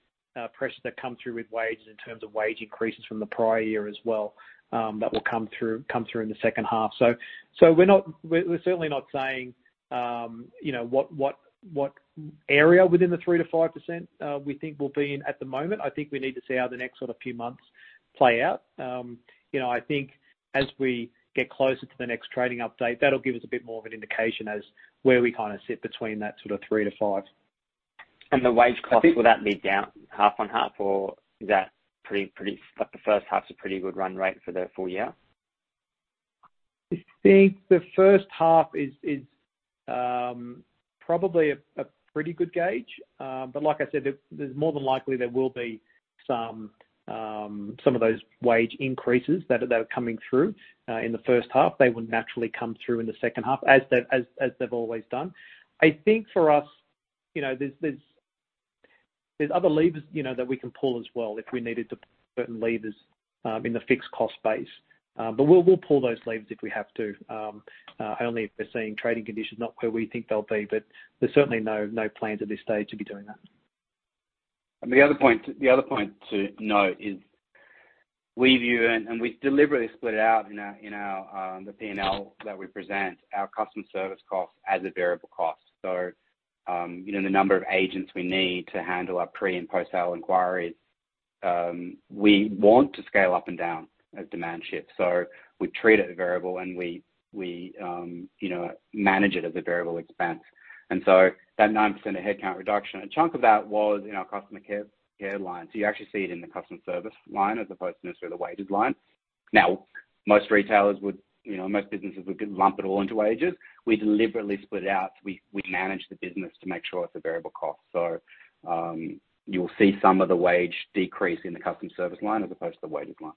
pressures that come through with wages in terms of wage increases from the prior year as well that will come through in the second half. We're certainly not saying, you know, what area within the 3%-5% we think we'll be in at the moment. I think we need to see how the next sort of few months play out. You know, I think as we get closer to the next trading update, that'll give us a bit more of an indication as where we kinda sit between that sort of three to five. The wage costs. I think Will that be down half on half or is that pretty, like the first half's a pretty good run rate for the full-year? I think the first half is probably a pretty good gauge. Like I said, there's more than likely there will be some of those wage increases that are coming through in the first half. They would naturally come through in the second half as they've always done. I think for us, you know, there's other levers, you know, that we can pull as well if we needed to pull certain levers in the fixed cost base. We'll pull those levers if we have to, only if we're seeing trading conditions not where we think they'll be. There's certainly no plans at this stage to be doing that. The other point to note is we view and we deliberately split it out in our, the P&L that we present our customer service costs as a variable cost. You know, the number of agents we need to handle our pre- and post-sale inquiries, we want to scale up and down as demand shifts. We treat it a variable and we, you know, manage it as a variable expense. That 9% of headcount reduction, a chunk of that was in our customer care line. You actually see it in the customer service line as opposed to necessarily the wages line. Now, most retailers would, you know, most businesses would lump it all into wages. We deliberately split it out. We manage the business to make sure it's a variable cost. You'll see some of the wage decrease in the customer service line as opposed to the wages line.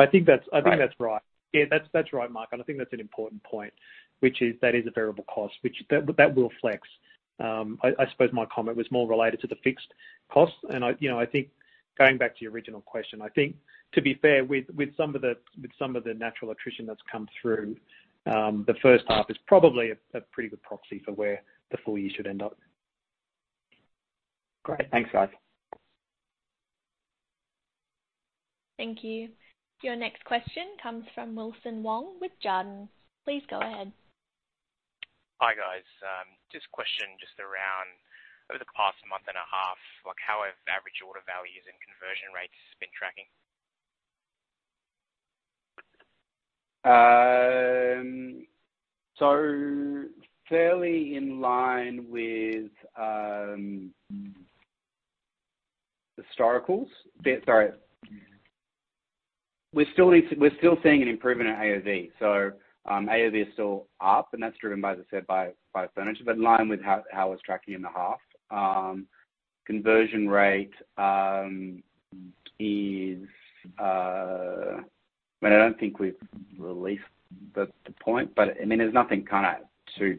I think. Right. I think that's right. Yeah, that's right, Mark. I think that's an important point, which is that is a variable cost, which that will flex. I suppose my comment was more related to the fixed costs, and I, you know, I think going back to your original question. I think to be fair, with some of the natural attrition that's come through, the first half is probably a pretty good proxy for where the full-year should end up. Great. Thanks, guys. Thank you. Your next question comes from Wilson Wong with Jarden. Please go ahead. Hi, guys. Just a question around over the past month and a half, how have average order values and conversion rates been tracking? Fairly in line with historicals. Sorry. We're still seeing an improvement in AOV. AOV is still up, and that's driven, as I said, by furniture, but in line with how I was tracking in the half. Conversion rate, I mean, I don't think we've released the point, but I mean, there's nothing kinda too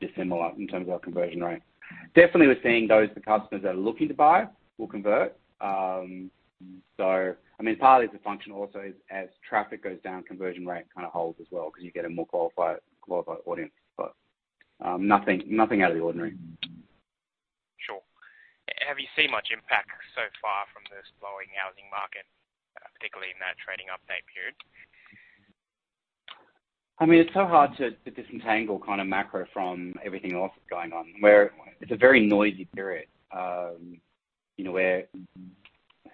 dissimilar in terms of our conversion rate. Definitely, we're seeing the customers that are looking to buy will convert. I mean, partly it's a function also is as traffic goes down, conversion rate kinda holds as well 'cause you get a more qualified audience, but nothing out of the ordinary. Sure. Have you seen much impact so far from the slowing housing market, particularly in that trading update period? I mean, it's so hard to disentangle kinda macro from everything else that's going on, where it's a very noisy period, you know,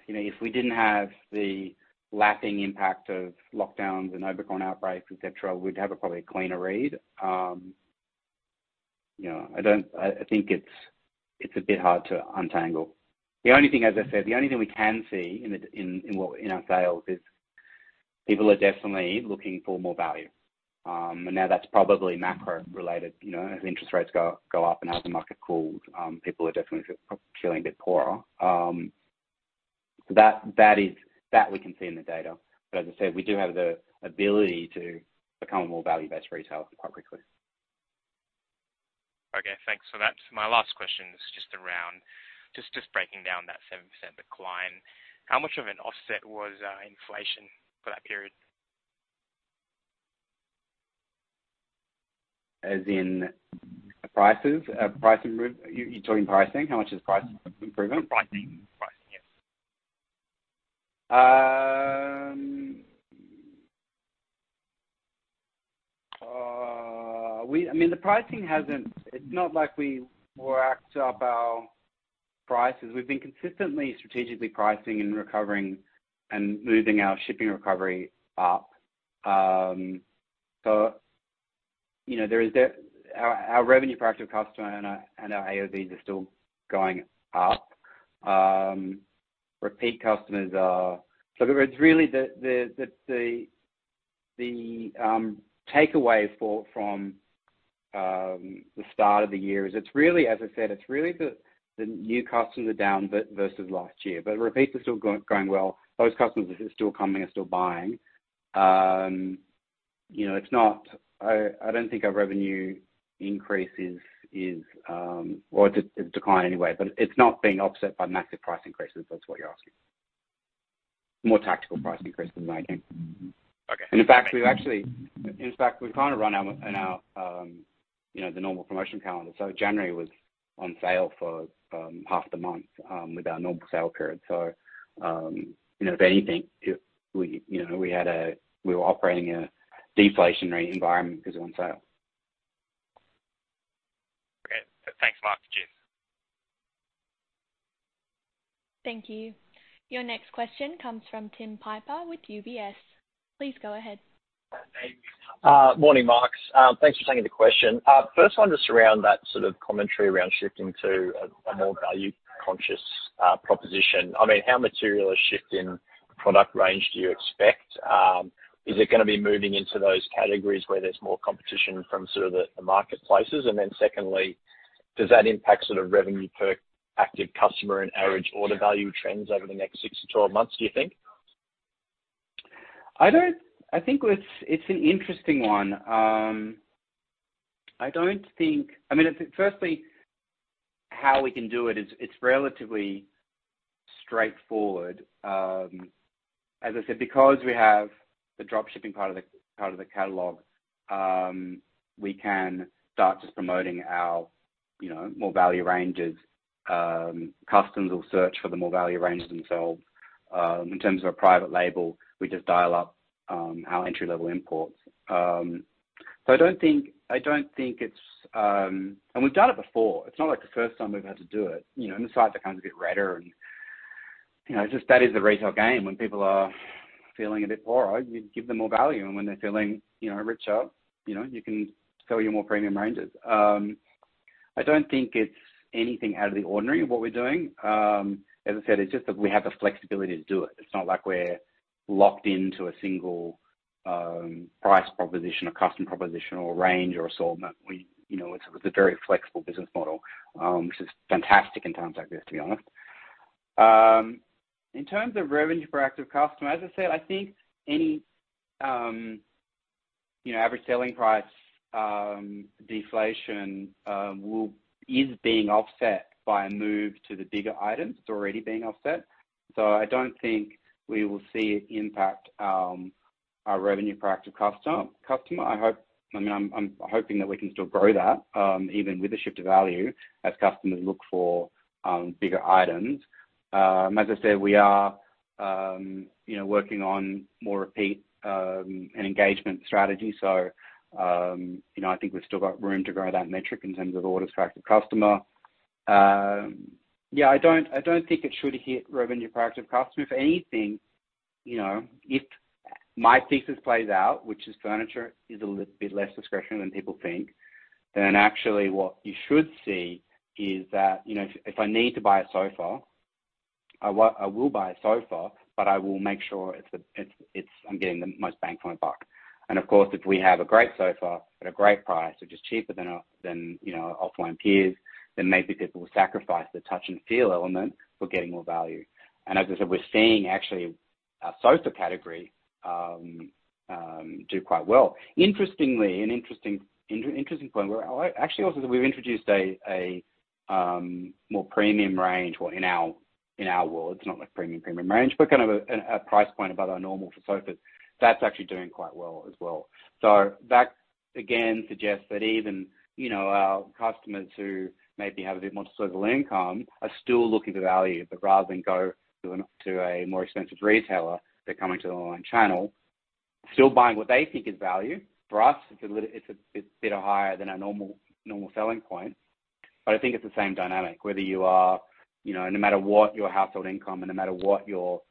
You know, if we didn't have the lasting impact of lockdowns and Omicron outbreaks, et cetera, we'd have a probably cleaner read. You know, I think it's a bit hard to untangle. The only thing, as I said, the only thing we can see in our sales is people are definitely looking for more value. Now that's probably macro related, you know, as interest rates go up and as the market cools, people are definitely feeling a bit poorer. That we can see in the data. As I said, we do have the ability to become a more value-based retailer quite quickly. Okay, thanks. That's my last question, is just around just breaking down that 7% decline. How much of an offset was inflation for that period? As in prices, You're talking pricing? How much is price improvement? Pricing. Pricing, yes. I mean, the pricing hasn't. It's not like we've waxed up our prices. We've been consistently strategically pricing and recovering and moving our shipping recovery up. You know, there is our revenue per active customer and our AOV is still going up. Repeat customers are. It's really the takeaway from the start of the year is it's really, as I said, it's really the new customers are down versus last year, but repeats are still going well. Those customers are still coming, are still buying. You know, I don't think our revenue increase is, or it decline anyway, but it's not being offset by massive price increases, if that's what you're asking. More tactical price increases, I think. Okay. In fact, we've kind of run our, you know, the normal promotion calendar. January was on sale for half the month with our normal sale period. You know, if anything, if we, you know, we were operating in a deflationary environment 'cause it was on sale. Okay. Thanks a lot. Cheers. Thank you. Your next question comes from Tim Piper with UBS. Please go ahead. Morning, Mark. Thanks for taking the question. First one just around that sort of commentary around shifting to a more value conscious proposition. I mean, how material a shift in product range do you expect? Is it gonna be moving into those categories where there's more competition from sort of the marketplaces? Secondly, does that impact sort of revenue per active customer and average order value trends over the next six to 12 months, do you think? I think it's an interesting one. I mean, firstly, how we can do it is, it's relatively straightforward. As I said, because we have the drop shipping part of the catalog, we can start just promoting our, you know, more value ranges. Customers will search for the more value ranges themselves. In terms of a private label, we just dial up our entry-level imports. I don't think it's. We've done it before. It's not like the first time we've had to do it, you know, the sites are kind of a bit redder and, you know. It's just that is the retail game. When people are feeling a bit poorer, you give them more value, and when they're feeling, you know, richer, you know, you can sell your more premium ranges. I don't think it's anything out of the ordinary what we're doing. As I said, it's just that we have the flexibility to do it. It's not like we're locked into a single price proposition or customer proposition or range or assortment. We, you know, it's a very flexible business model, which is fantastic in times like this, to be honest. In terms of revenue per active customer, as I said, I think any, you know, average selling price, deflation, is being offset by a move to the bigger items. It's already being offset. I don't think we will see it impact our revenue per active customer. I mean, I'm hoping that we can still grow that, even with the shift of value as customers look for bigger items. As I said, we are, you know, working on more repeat and engagement strategy. I think we've still got room to grow that metric in terms of orders per active customer. Yeah, I don't think it should hit revenue per active customer. If anything, you know, if my thesis plays out, which is furniture, is a little bit less discretionary than people think, then actually what you should see is that, you know, if I need to buy a sofa, I will buy a sofa, but I will make sure it's I'm getting the most bang for my buck. Of course, if we have a great sofa at a great price, which is cheaper than, you know, offline peers, then maybe people will sacrifice the touch and feel element for getting more value. As I said, we're seeing actually our sofa category do quite well. Interestingly, an interesting point, actually also we've introduced a more premium range, well, in our world, it's not like premium range, but kind of a price point above our normal for sofas. That's actually doing quite well as well. That again suggests that even, you know, our customers who maybe have a bit more disposable income are still looking for value, but rather than go to a more expensive retailer, they're coming to an online channel. Still buying what they think is value. For us, it's a bit higher than our normal selling point. I think it's the same dynamic whether you are, you know, no matter what your household income and no matter what your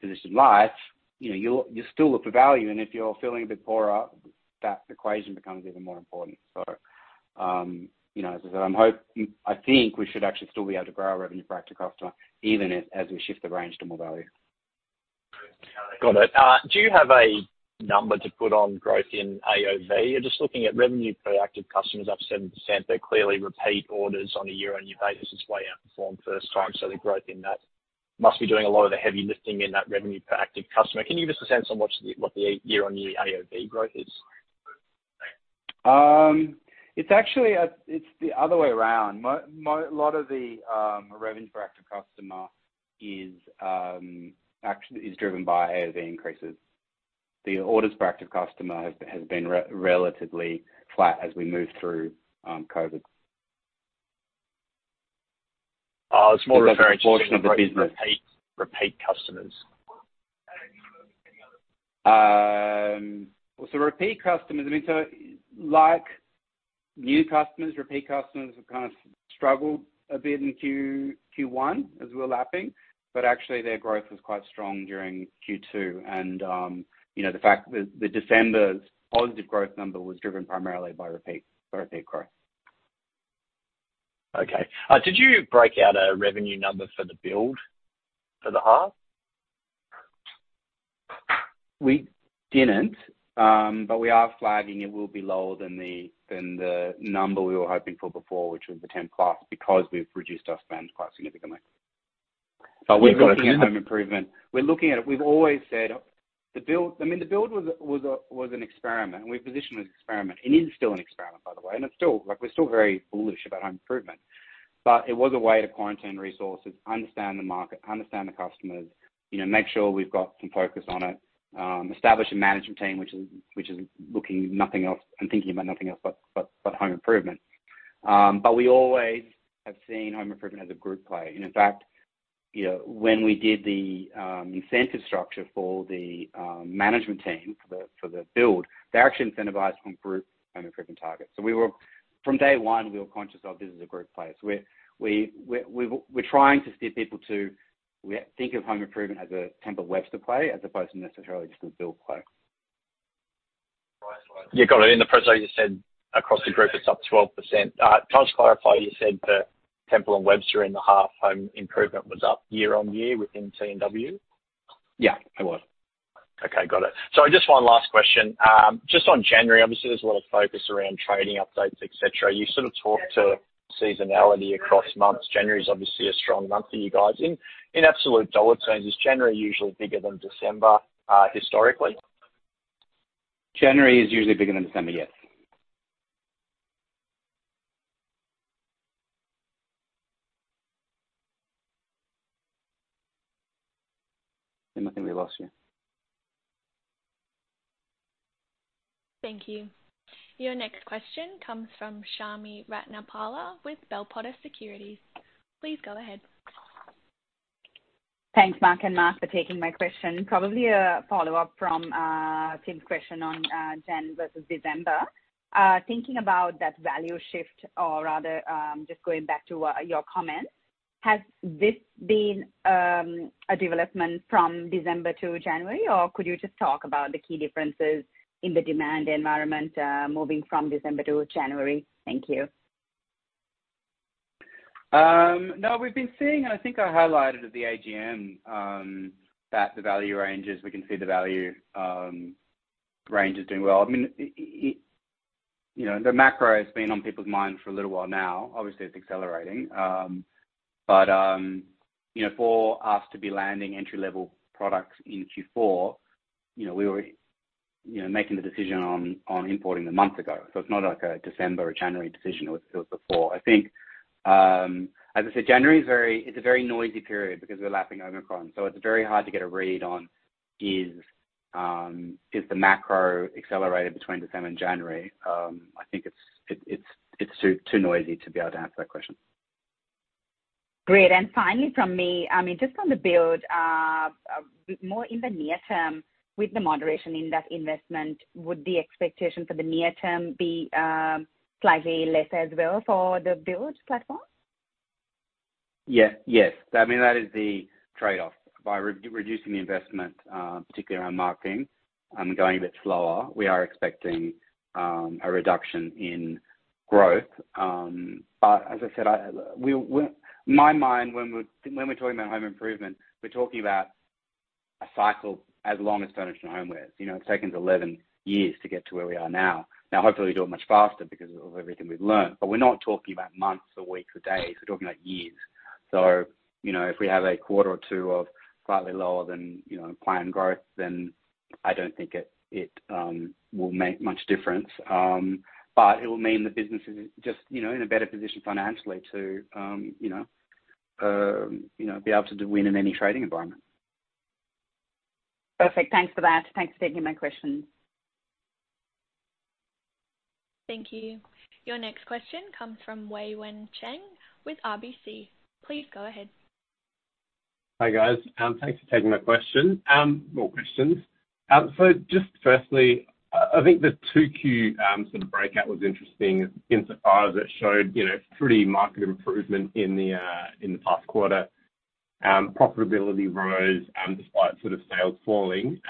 position in life, you know, you'll still look for value, and if you're feeling a bit poorer, that equation becomes even more important. As I said, I think we should actually still be able to grow our revenue per active customer even as we shift the range to more value. Got it. Do you have a number to put on growth in AOV? You're just looking at revenue per active customer is up 7%. They clearly repeat orders on a year-on-year basis has way outperformed first time. The growth in that must be doing a lot of the heavy lifting in that revenue per active customer. Can you give us a sense on what the year-on-year AOV growth is? It's actually, it's the other way around. A lot of the revenue per active customer is actually driven by AOV increases. The orders per active customer has been relatively flat as we move through COVID. It's more of. Because a proportion of the business repeat customers. Well, repeat customers, I mean, like new customers, repeat customers have kind of struggled a bit in Q1 as we're lapping. Actually, their growth was quite strong during Q2. You know, the fact that the December's positive growth number was driven primarily by repeat growth. Okay. Did you break out a revenue number for The Build for the half? We didn't, but we are flagging it will be lower than the, than the number we were hoping for before, which was the 10+, because we've reduced our spend quite significantly. we've got. We're looking at home improvement. We're looking at it. We've always said The Build. I mean, The Build was an experiment, and we positioned it as an experiment. It is still an experiment, by the way, and like, we're still very bullish about home improvement. It was a way to quarantine resources, understand the market, understand the customers, you know, make sure we've got some focus on it, establish a management team which is looking nothing else and thinking about nothing else but home improvement. We always have seen home improvement as a group play. In fact, you know, when we did the incentive structure for the management team for The Build, they're actually incentivized from group home improvement targets. From day one, we were conscious of this is a group play. We're trying to steer people to think of home improvement as a Temple & Webster play, as opposed to necessarily just a Build play. You got it. In the press release, you said across the group it's up 12%. Can I just clarify, you said for Temple & Webster in the half home improvement was up year-over-year within T&W? Yeah, it was. Okay, got it. Just one last question. Just on January, obviously there's a lot of focus around trading updates, et cetera. You sort of talked to seasonality across months. January is obviously a strong month for you guys. In absolute dollar terms, is January usually bigger than December, historically? January is usually bigger than December, yes. I think we lost you. Thank you. Your next question comes from Chami Ratnapala with Bell Potter Securities. Please go ahead. Thanks, Mark and Mark, for taking my question. Probably a follow-up from, Tim's question on, January versus December. Thinking about that value shift or rather, just going back to, your comments, has this been, a development from December to January? Could you just talk about the key differences in the demand environment, moving from December to January? Thank you. No, we've been seeing, and I think I highlighted at the AGM, that the value ranges, we can see the value, range is doing well. I mean, it, you know, the macro has been on people's mind for a little while now. Obviously, it's accelerating. You know, for us to be landing entry-level products in Q4, you know, we were, you know, making the decision on importing them months ago. It's not like a December or January decision. It was, it was before. I think, as I said, January is a very noisy period because we're lapping Omicron. It's very hard to get a read on is the macro accelerated between December and January. I think it's too noisy to be able to answer that question. Great. Finally from me, I mean, just on The Build, more in the near term with the moderation in that investment, would the expectation for the near term be slightly less as well for The Build platform? Yeah. Yes. I mean, that is the trade-off. By reducing the investment, particularly around marketing and going a bit slower, we are expecting a reduction in growth. As I said, my mind when we're talking about home improvement, we're talking about a cycle as long as Furniture & Homewares. You know, it's taken us 11 years to get to where we are now. Hopefully, we do it much faster because of everything we've learned. We're not talking about months or weeks or days, we're talking about years. You know, if we have a quarter or two of slightly lower than, you know, planned growth, then I don't think it will make much difference. It will mean the business is just, you know, in a better position financially to, you know, you know, be able to win in any trading environment. Perfect. Thanks for that. Thanks for taking my questions. Thank you. Your next question comes from Wei-Weng Chen with RBC. Please go ahead. Hi, guys. Thanks for taking my question, more questions. Just firstly, I think the 2Q sort of breakout was interesting insofar as it showed, you know, pretty market improvement in the past quarter. Profitability rose despite sort of sales falling.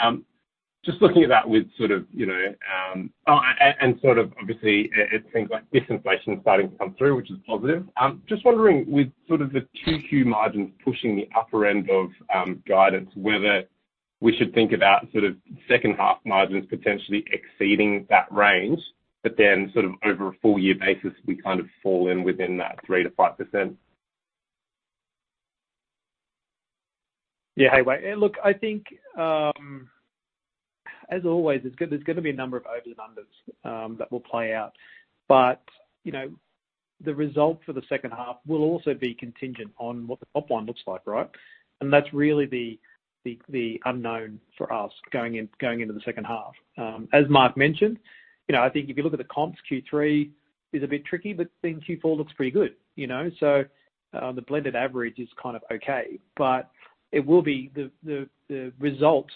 Just looking at that with sort of, you know, and sort of obviously, it seems like disinflation is starting to come through, which is positive. Just wondering with sort of the 2Q margins pushing the upper end of guidance, whether we should think about sort of second half margins potentially exceeding that range. Sort of over a full-year basis, we kind of fall in within that 3%-5%. Yeah. Hey, Wei. Look, I think, as always, there's gonna be a number of overs and unders that will play out. The result for the second half will also be contingent on what the top line looks like, right? That's really the unknown for us going into the second half. As Mark mentioned, you know, I think if you look at the comps, Q3 is a bit tricky, Q4 looks pretty good, you know. The blended average is kind of okay, but it will be the result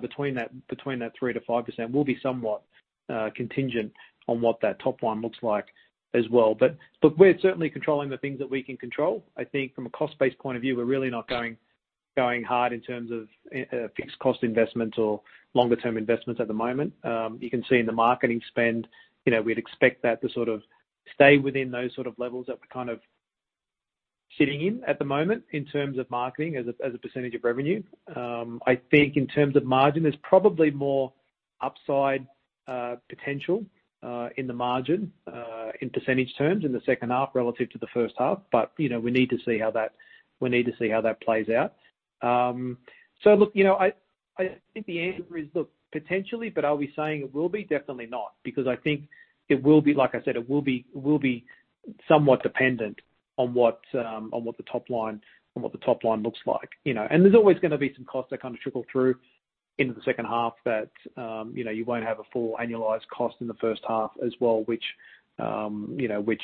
between that 3% to 5% will be somewhat contingent on what that top line looks like as well. We're certainly controlling the things that we can control. I think from a cost-based point of view, we're really not going hard in terms of fixed cost investments or longer term investments at the moment. You can see in the marketing spend, you know, we'd expect that to sort of stay within those sort of levels that we're kind of sitting in at the moment in terms of marketing as a % of revenue. I think in terms of margin, there's probably more upside potential in the margin in % terms in the second half relative to the first half. You know, we need to see how that plays out. Look, you know, I think the answer is look, potentially, but are we saying it will be? Definitely not. I think it will be, Like I said, it will be somewhat dependent on what the top line looks like, you know. There's always gonna be some costs that kind of trickle through into the second half that, you know, you won't have a full annualized cost in the first half as well, which, you know, which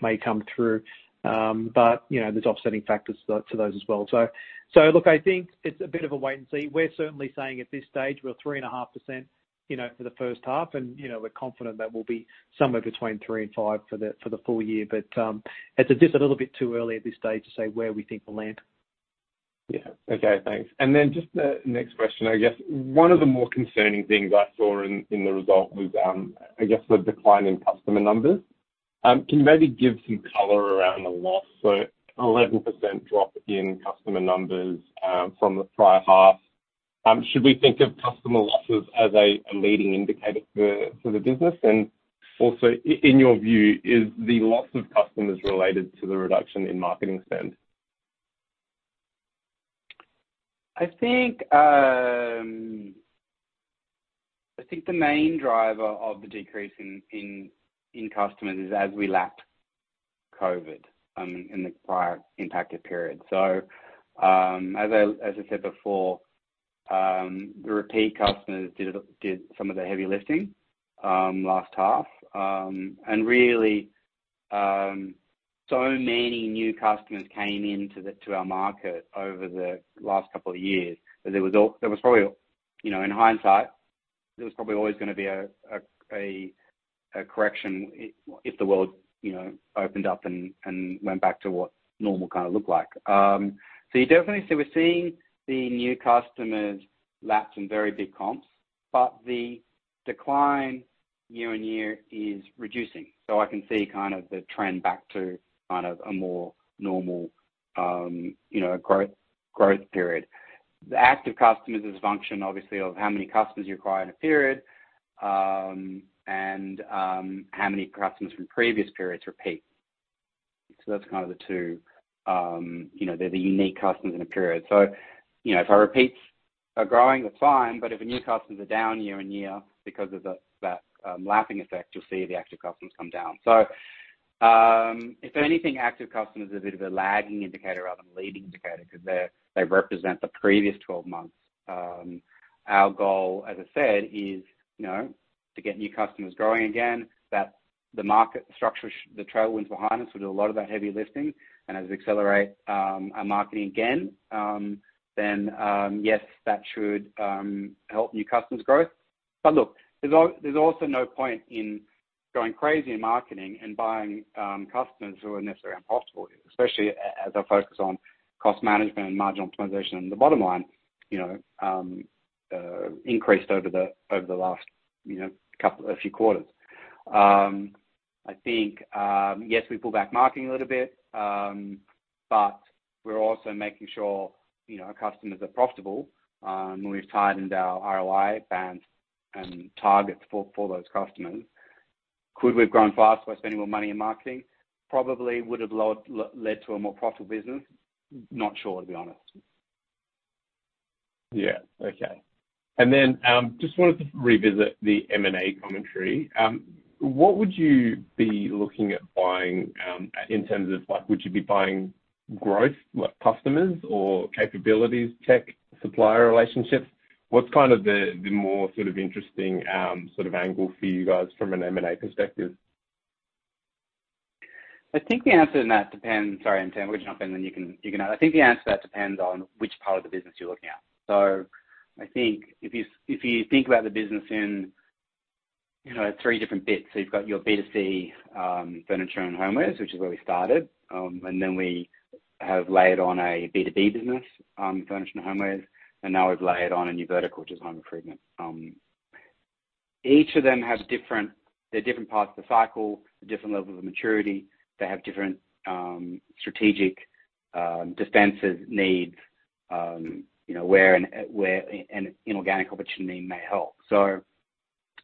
may come through. You know, there's offsetting factors to those as well. Look, I think it's a bit of a wait and see. We're certainly saying at this stage we're 3.5%, you know, for the first half and, you know, we're confident that we'll be somewhere between 3% and 5% for the full-year. It's just a little bit too early at this stage to say where we think we'll land. Yeah. Okay, thanks. Just the next question, I guess one of the more concerning things I saw in the result was, I guess the decline in customer numbers. Can you maybe give some color around the loss? 11% drop in customer numbers, from the prior half. Should we think of customer losses as a leading indicator for the business? Also in your view, is the loss of customers related to the reduction in marketing spend? I think, I think the main driver of the decrease in customers is as we lap COVID in the prior impacted period. As I said before, the repeat customers did some of the heavy lifting last half. Really, so many new customers came into our market over the last couple of years that there was probably, you know, in hindsight, there was probably always gonna be a correction if the world, you know, opened up and went back to what normal kind of looked like. You definitely see we're seeing the new customers lapse in very big comps, but the decline year-on-year is reducing. I can see kind of the trend back to kind of a more normal, you know, growth period. The active customers is a function obviously, of how many customers you acquire in a period, and how many customers from previous periods repeat. That's kind of the two, you know, they're the unique customers in a period. You know, if our repeats are growing, that's fine, but if the new customers are down year-on-year because of that lapping effect, you'll see the active customers come down. If anything, active customer is a bit of a lagging indicator rather than a leading indicator because they represent the previous 12 months. Our goal, as I said, is, you know, to get new customers growing again, that the market structure, the tailwinds behind us will do a lot of that heavy lifting and as we accelerate our marketing again, then yes, that should help new customers growth. Look, there's also no point in going crazy in marketing and buying customers who are necessarily unprofitable, especially as I focus on cost management and margin optimization and the bottom line, you know, increased over the last, you know, a few quarters. I think, yes, we pulled back marketing a little bit, but we're also making sure, you know, our customers are profitable. We've tightened our ROI bands and targets for those customers. Could we have grown faster by spending more money in marketing? Probably would've led to a more profitable business. Not sure, to be honest. Yeah. Okay. Just wanted to revisit the M&A commentary. What would you be looking at buying, in terms of like, would you be buying growth like customers or capabilities, tech, supplier relationships? What's kind of the more sort of interesting angle for you guys from an M&A perspective? I think the answer in that depends. Sorry, I'm Tim. I'm gonna jump in, then you can. I think the answer to that depends on which part of the business you're looking at. I think if you think about the business in, you know, three different bits. You've got your B2C furniture and homewares, which is where we started, and then we have layered on a B2B business, furniture and homewares, and now we've layered on a new vertical, which is home improvement. Each of them has different parts of the cycle, different levels of maturity. They have different strategic defenses needs, you know, where an inorganic opportunity may help.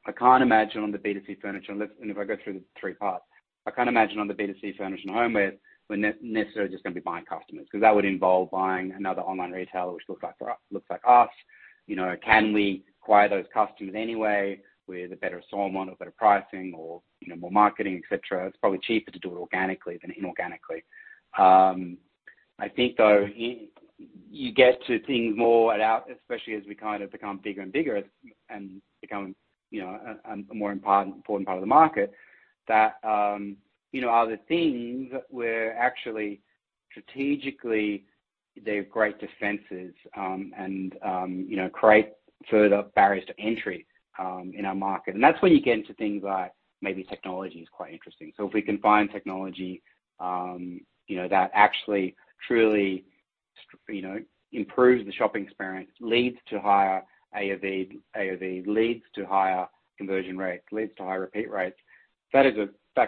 I can't imagine on the B2C furniture, unless and if I go through the three parts, I can't imagine on the B2C furniture and homewares, we're necessarily just gonna be buying customers 'cause that would involve buying another online retailer which looks like for us, looks like us. You know, can we acquire those customers anyway with a better assortment or better pricing or, you know, more marketing, etc? It's probably cheaper to do it organically than inorganically. I think though, you get to things more at out, especially as we kind of become bigger and bigger and become, you know, a more important part of the market that, you know, are the things where actually strategically they're great defenses, and, you know, create further barriers to entry, in our market. That's when you get into things like maybe technology is quite interesting. If we can find technology, you know, that actually truly, you know, improves the shopping experience, leads to higher AOV, leads to higher conversion rates, leads to higher repeat rates, that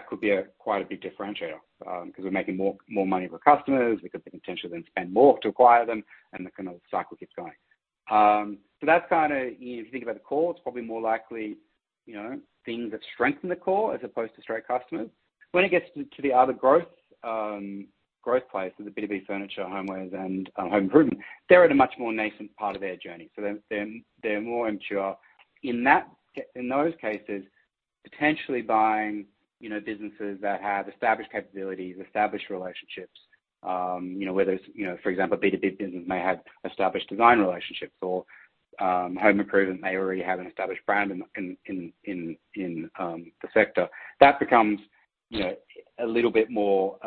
could be a, quite a big differentiator, 'cause we're making more money for customers. We could potentially then spend more to acquire them. The kind of cycle keeps going. That's kinda if you think about the core, it's probably more likely, you know, things that strengthen the core as opposed to straight customers. When it gets to the other growth places, the B2B furniture, homewares, and home improvement, they're at a much more nascent part of their journey, so they're more immature. In those cases, potentially buying, you know, businesses that have established capabilities, established relationships, you know, whether it's, you know, for example, B2B business may have established design relationships or home improvement may already have an established brand in the sector. That becomes, you know, a little bit more,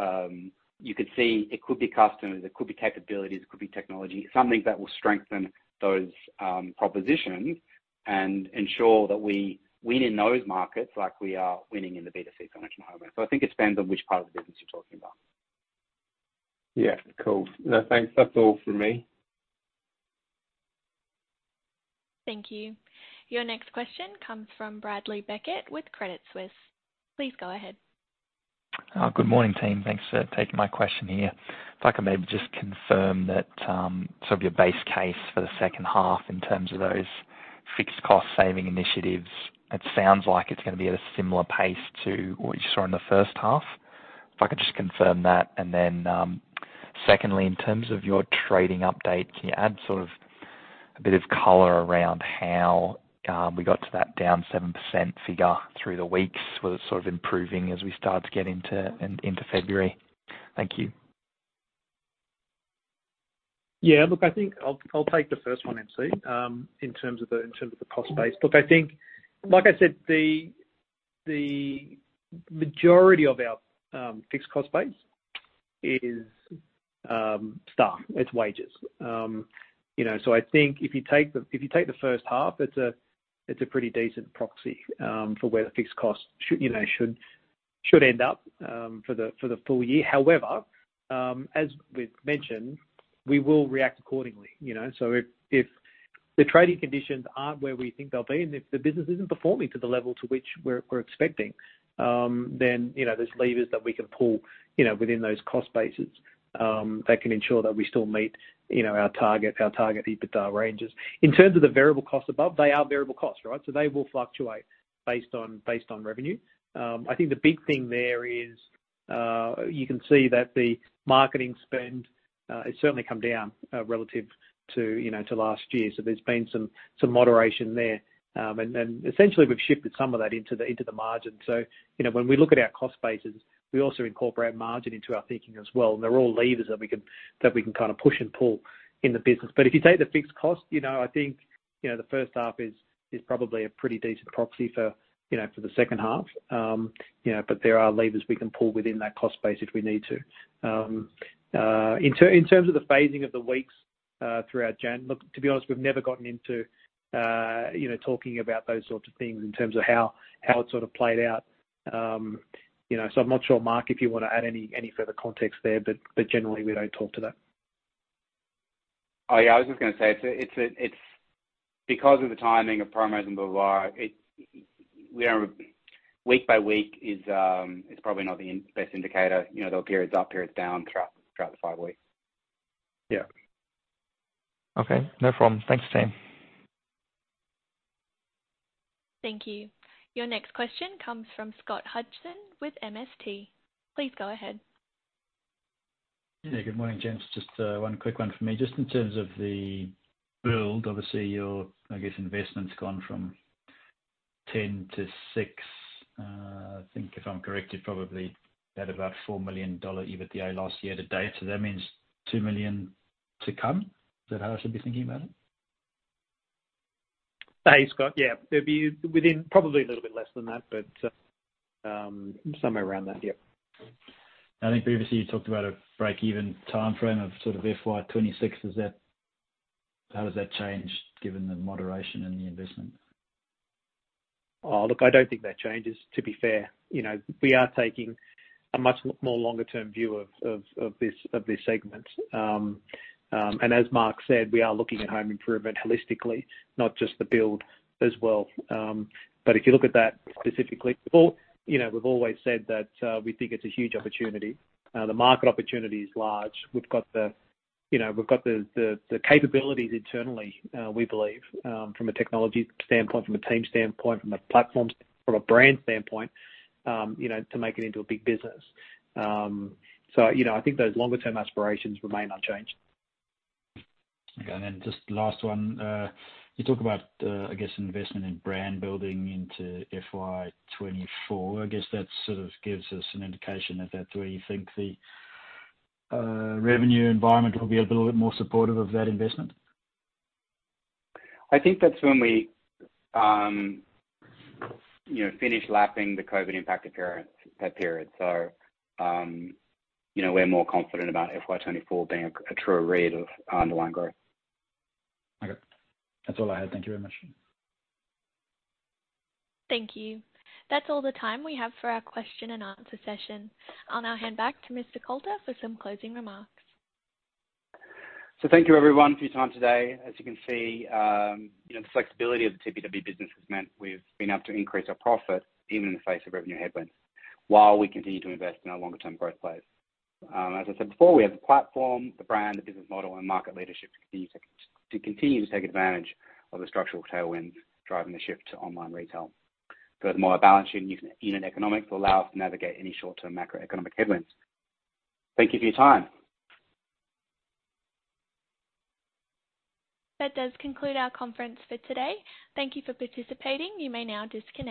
you could see it could be customers, it could be capabilities, it could be technology, something that will strengthen those propositions and ensure that we win in those markets like we are winning in the B2C furniture and homewares. I think it depends on which part of the business you're talking about. Yeah, cool. No, thanks. That's all from me. Thank you. Your next question comes from Bradley Beckett with Credit Suisse. Please go ahead. Good morning, team. Thanks for taking my question here. If I could maybe just confirm that, sort of your base case for the second half in terms of those fixed cost saving initiatives, it sounds like it's gonna be at a similar pace to what you saw in the first half. If I could just confirm that. Secondly, in terms of your trading update, can you add sort of a bit of color around how we got to that down 7% figure through the weeks? Was it sort of improving as we start to get into February? Thank you. Yeah. Look, I think I'll take the first one, MC, in terms of the cost base. Look, I think like I said, the majority of our fixed cost base is staff, it's wages. I think if you take the first half, it's a pretty decent proxy for where the fixed costs should, you know, should end up for the full-year. However, as we've mentioned, we will react accordingly, you know. If the trading conditions aren't where we think they'll be and if the business isn't performing to the level to which we're expecting, then, you know, there's levers that we can pull, you know, within those cost bases, that can ensure that we still meet, you know, our target EBITDA ranges. In terms of the variable costs above, they are variable costs, right? They will fluctuate based on revenue. I think the big thing there is, you can see that the marketing spend has certainly come down relative to, you know, to last year. There's been some moderation there. Essentially, we've shifted some of that into the margin. You know, when we look at our cost bases, we also incorporate margin into our thinking as well, and they're all levers that we can kind of push and pull in the business. If you take the fixed cost, you know, I think, you know, the first half is probably a pretty decent proxy for, you know, for the second half. You know, but there are levers we can pull within that cost base if we need to. In terms of the phasing of the weeks, throughout Jan, look, to be honest, we've never gotten into, you know, talking about those sorts of things in terms of how it sort of played out. You know, I'm not sure, Mark, if you wanna add any further context there, but generally, we don't talk to that. Oh, yeah. I was just gonna say it's because of the timing of promos and blah, blah. Week by week is probably not the best indicator. You know, there will be periods up, periods down throughout the five weeks. Yeah. Okay. No problem. Thanks, team. Thank you. Your next question comes from Scott Hudson with MST. Please go ahead. Good morning, gents Just one quick one from me. Just in terms of The Build, obviously your, I guess, investment's gone from Ten to six. I think if I'm correct, you're probably at about $4 million EBITDA last year to date. That means $2 million to come. Is that how I should be thinking about it? Hey, Scott. Yeah. It'd be within probably a little bit less than that, but, somewhere around that. Yeah. I think previously you talked about a break-even timeframe of sort of FY 2026. How does that change given the moderation in the investment? Oh, look, I don't think that changes, to be fair. You know, we are taking a much more longer-term view of this segment. As Mark said, we are looking at home improvement holistically, not just The Build as well. If you look at that specifically, well, you know, we've always said that we think it's a huge opportunity. The market opportunity is large. We've got the, you know, we've got the capabilities internally, we believe, from a technology standpoint, from a team standpoint, from a platform, from a brand standpoint, you know, to make it into a big business. You know, I think those longer-term aspirations remain unchanged. Okay. Just last one. You talk about, I guess investment in brand building into FY 2024. I guess that sort of gives us an indication if that's where you think the revenue environment will be a little bit more supportive of that investment. I think that's when we, you know, finish lapping the COVID impact that period. You know, we're more confident about FY 2024 being a true read of our underlying growth. Okay. That's all I had. Thank you very much. Thank you. That's all the time we have for our question and answer session. I'll now hand back to Mr. Coulter for some closing remarks. Thank you everyone for your time today. As you can see, you know, the flexibility of the TPW business has meant we've been able to increase our profit even in the face of revenue headwinds, while we continue to invest in our longer term growth plays. As I said before, we have the platform, the brand, the business model and market leadership to continue to take advantage of the structural tailwinds driving the shift to online retail. Furthermore, our balance sheet and unit economics will allow us to navigate any short-term macroeconomic headwinds. Thank you for your time. That does conclude our conference for today. Thank you for participating. You may now disconnect.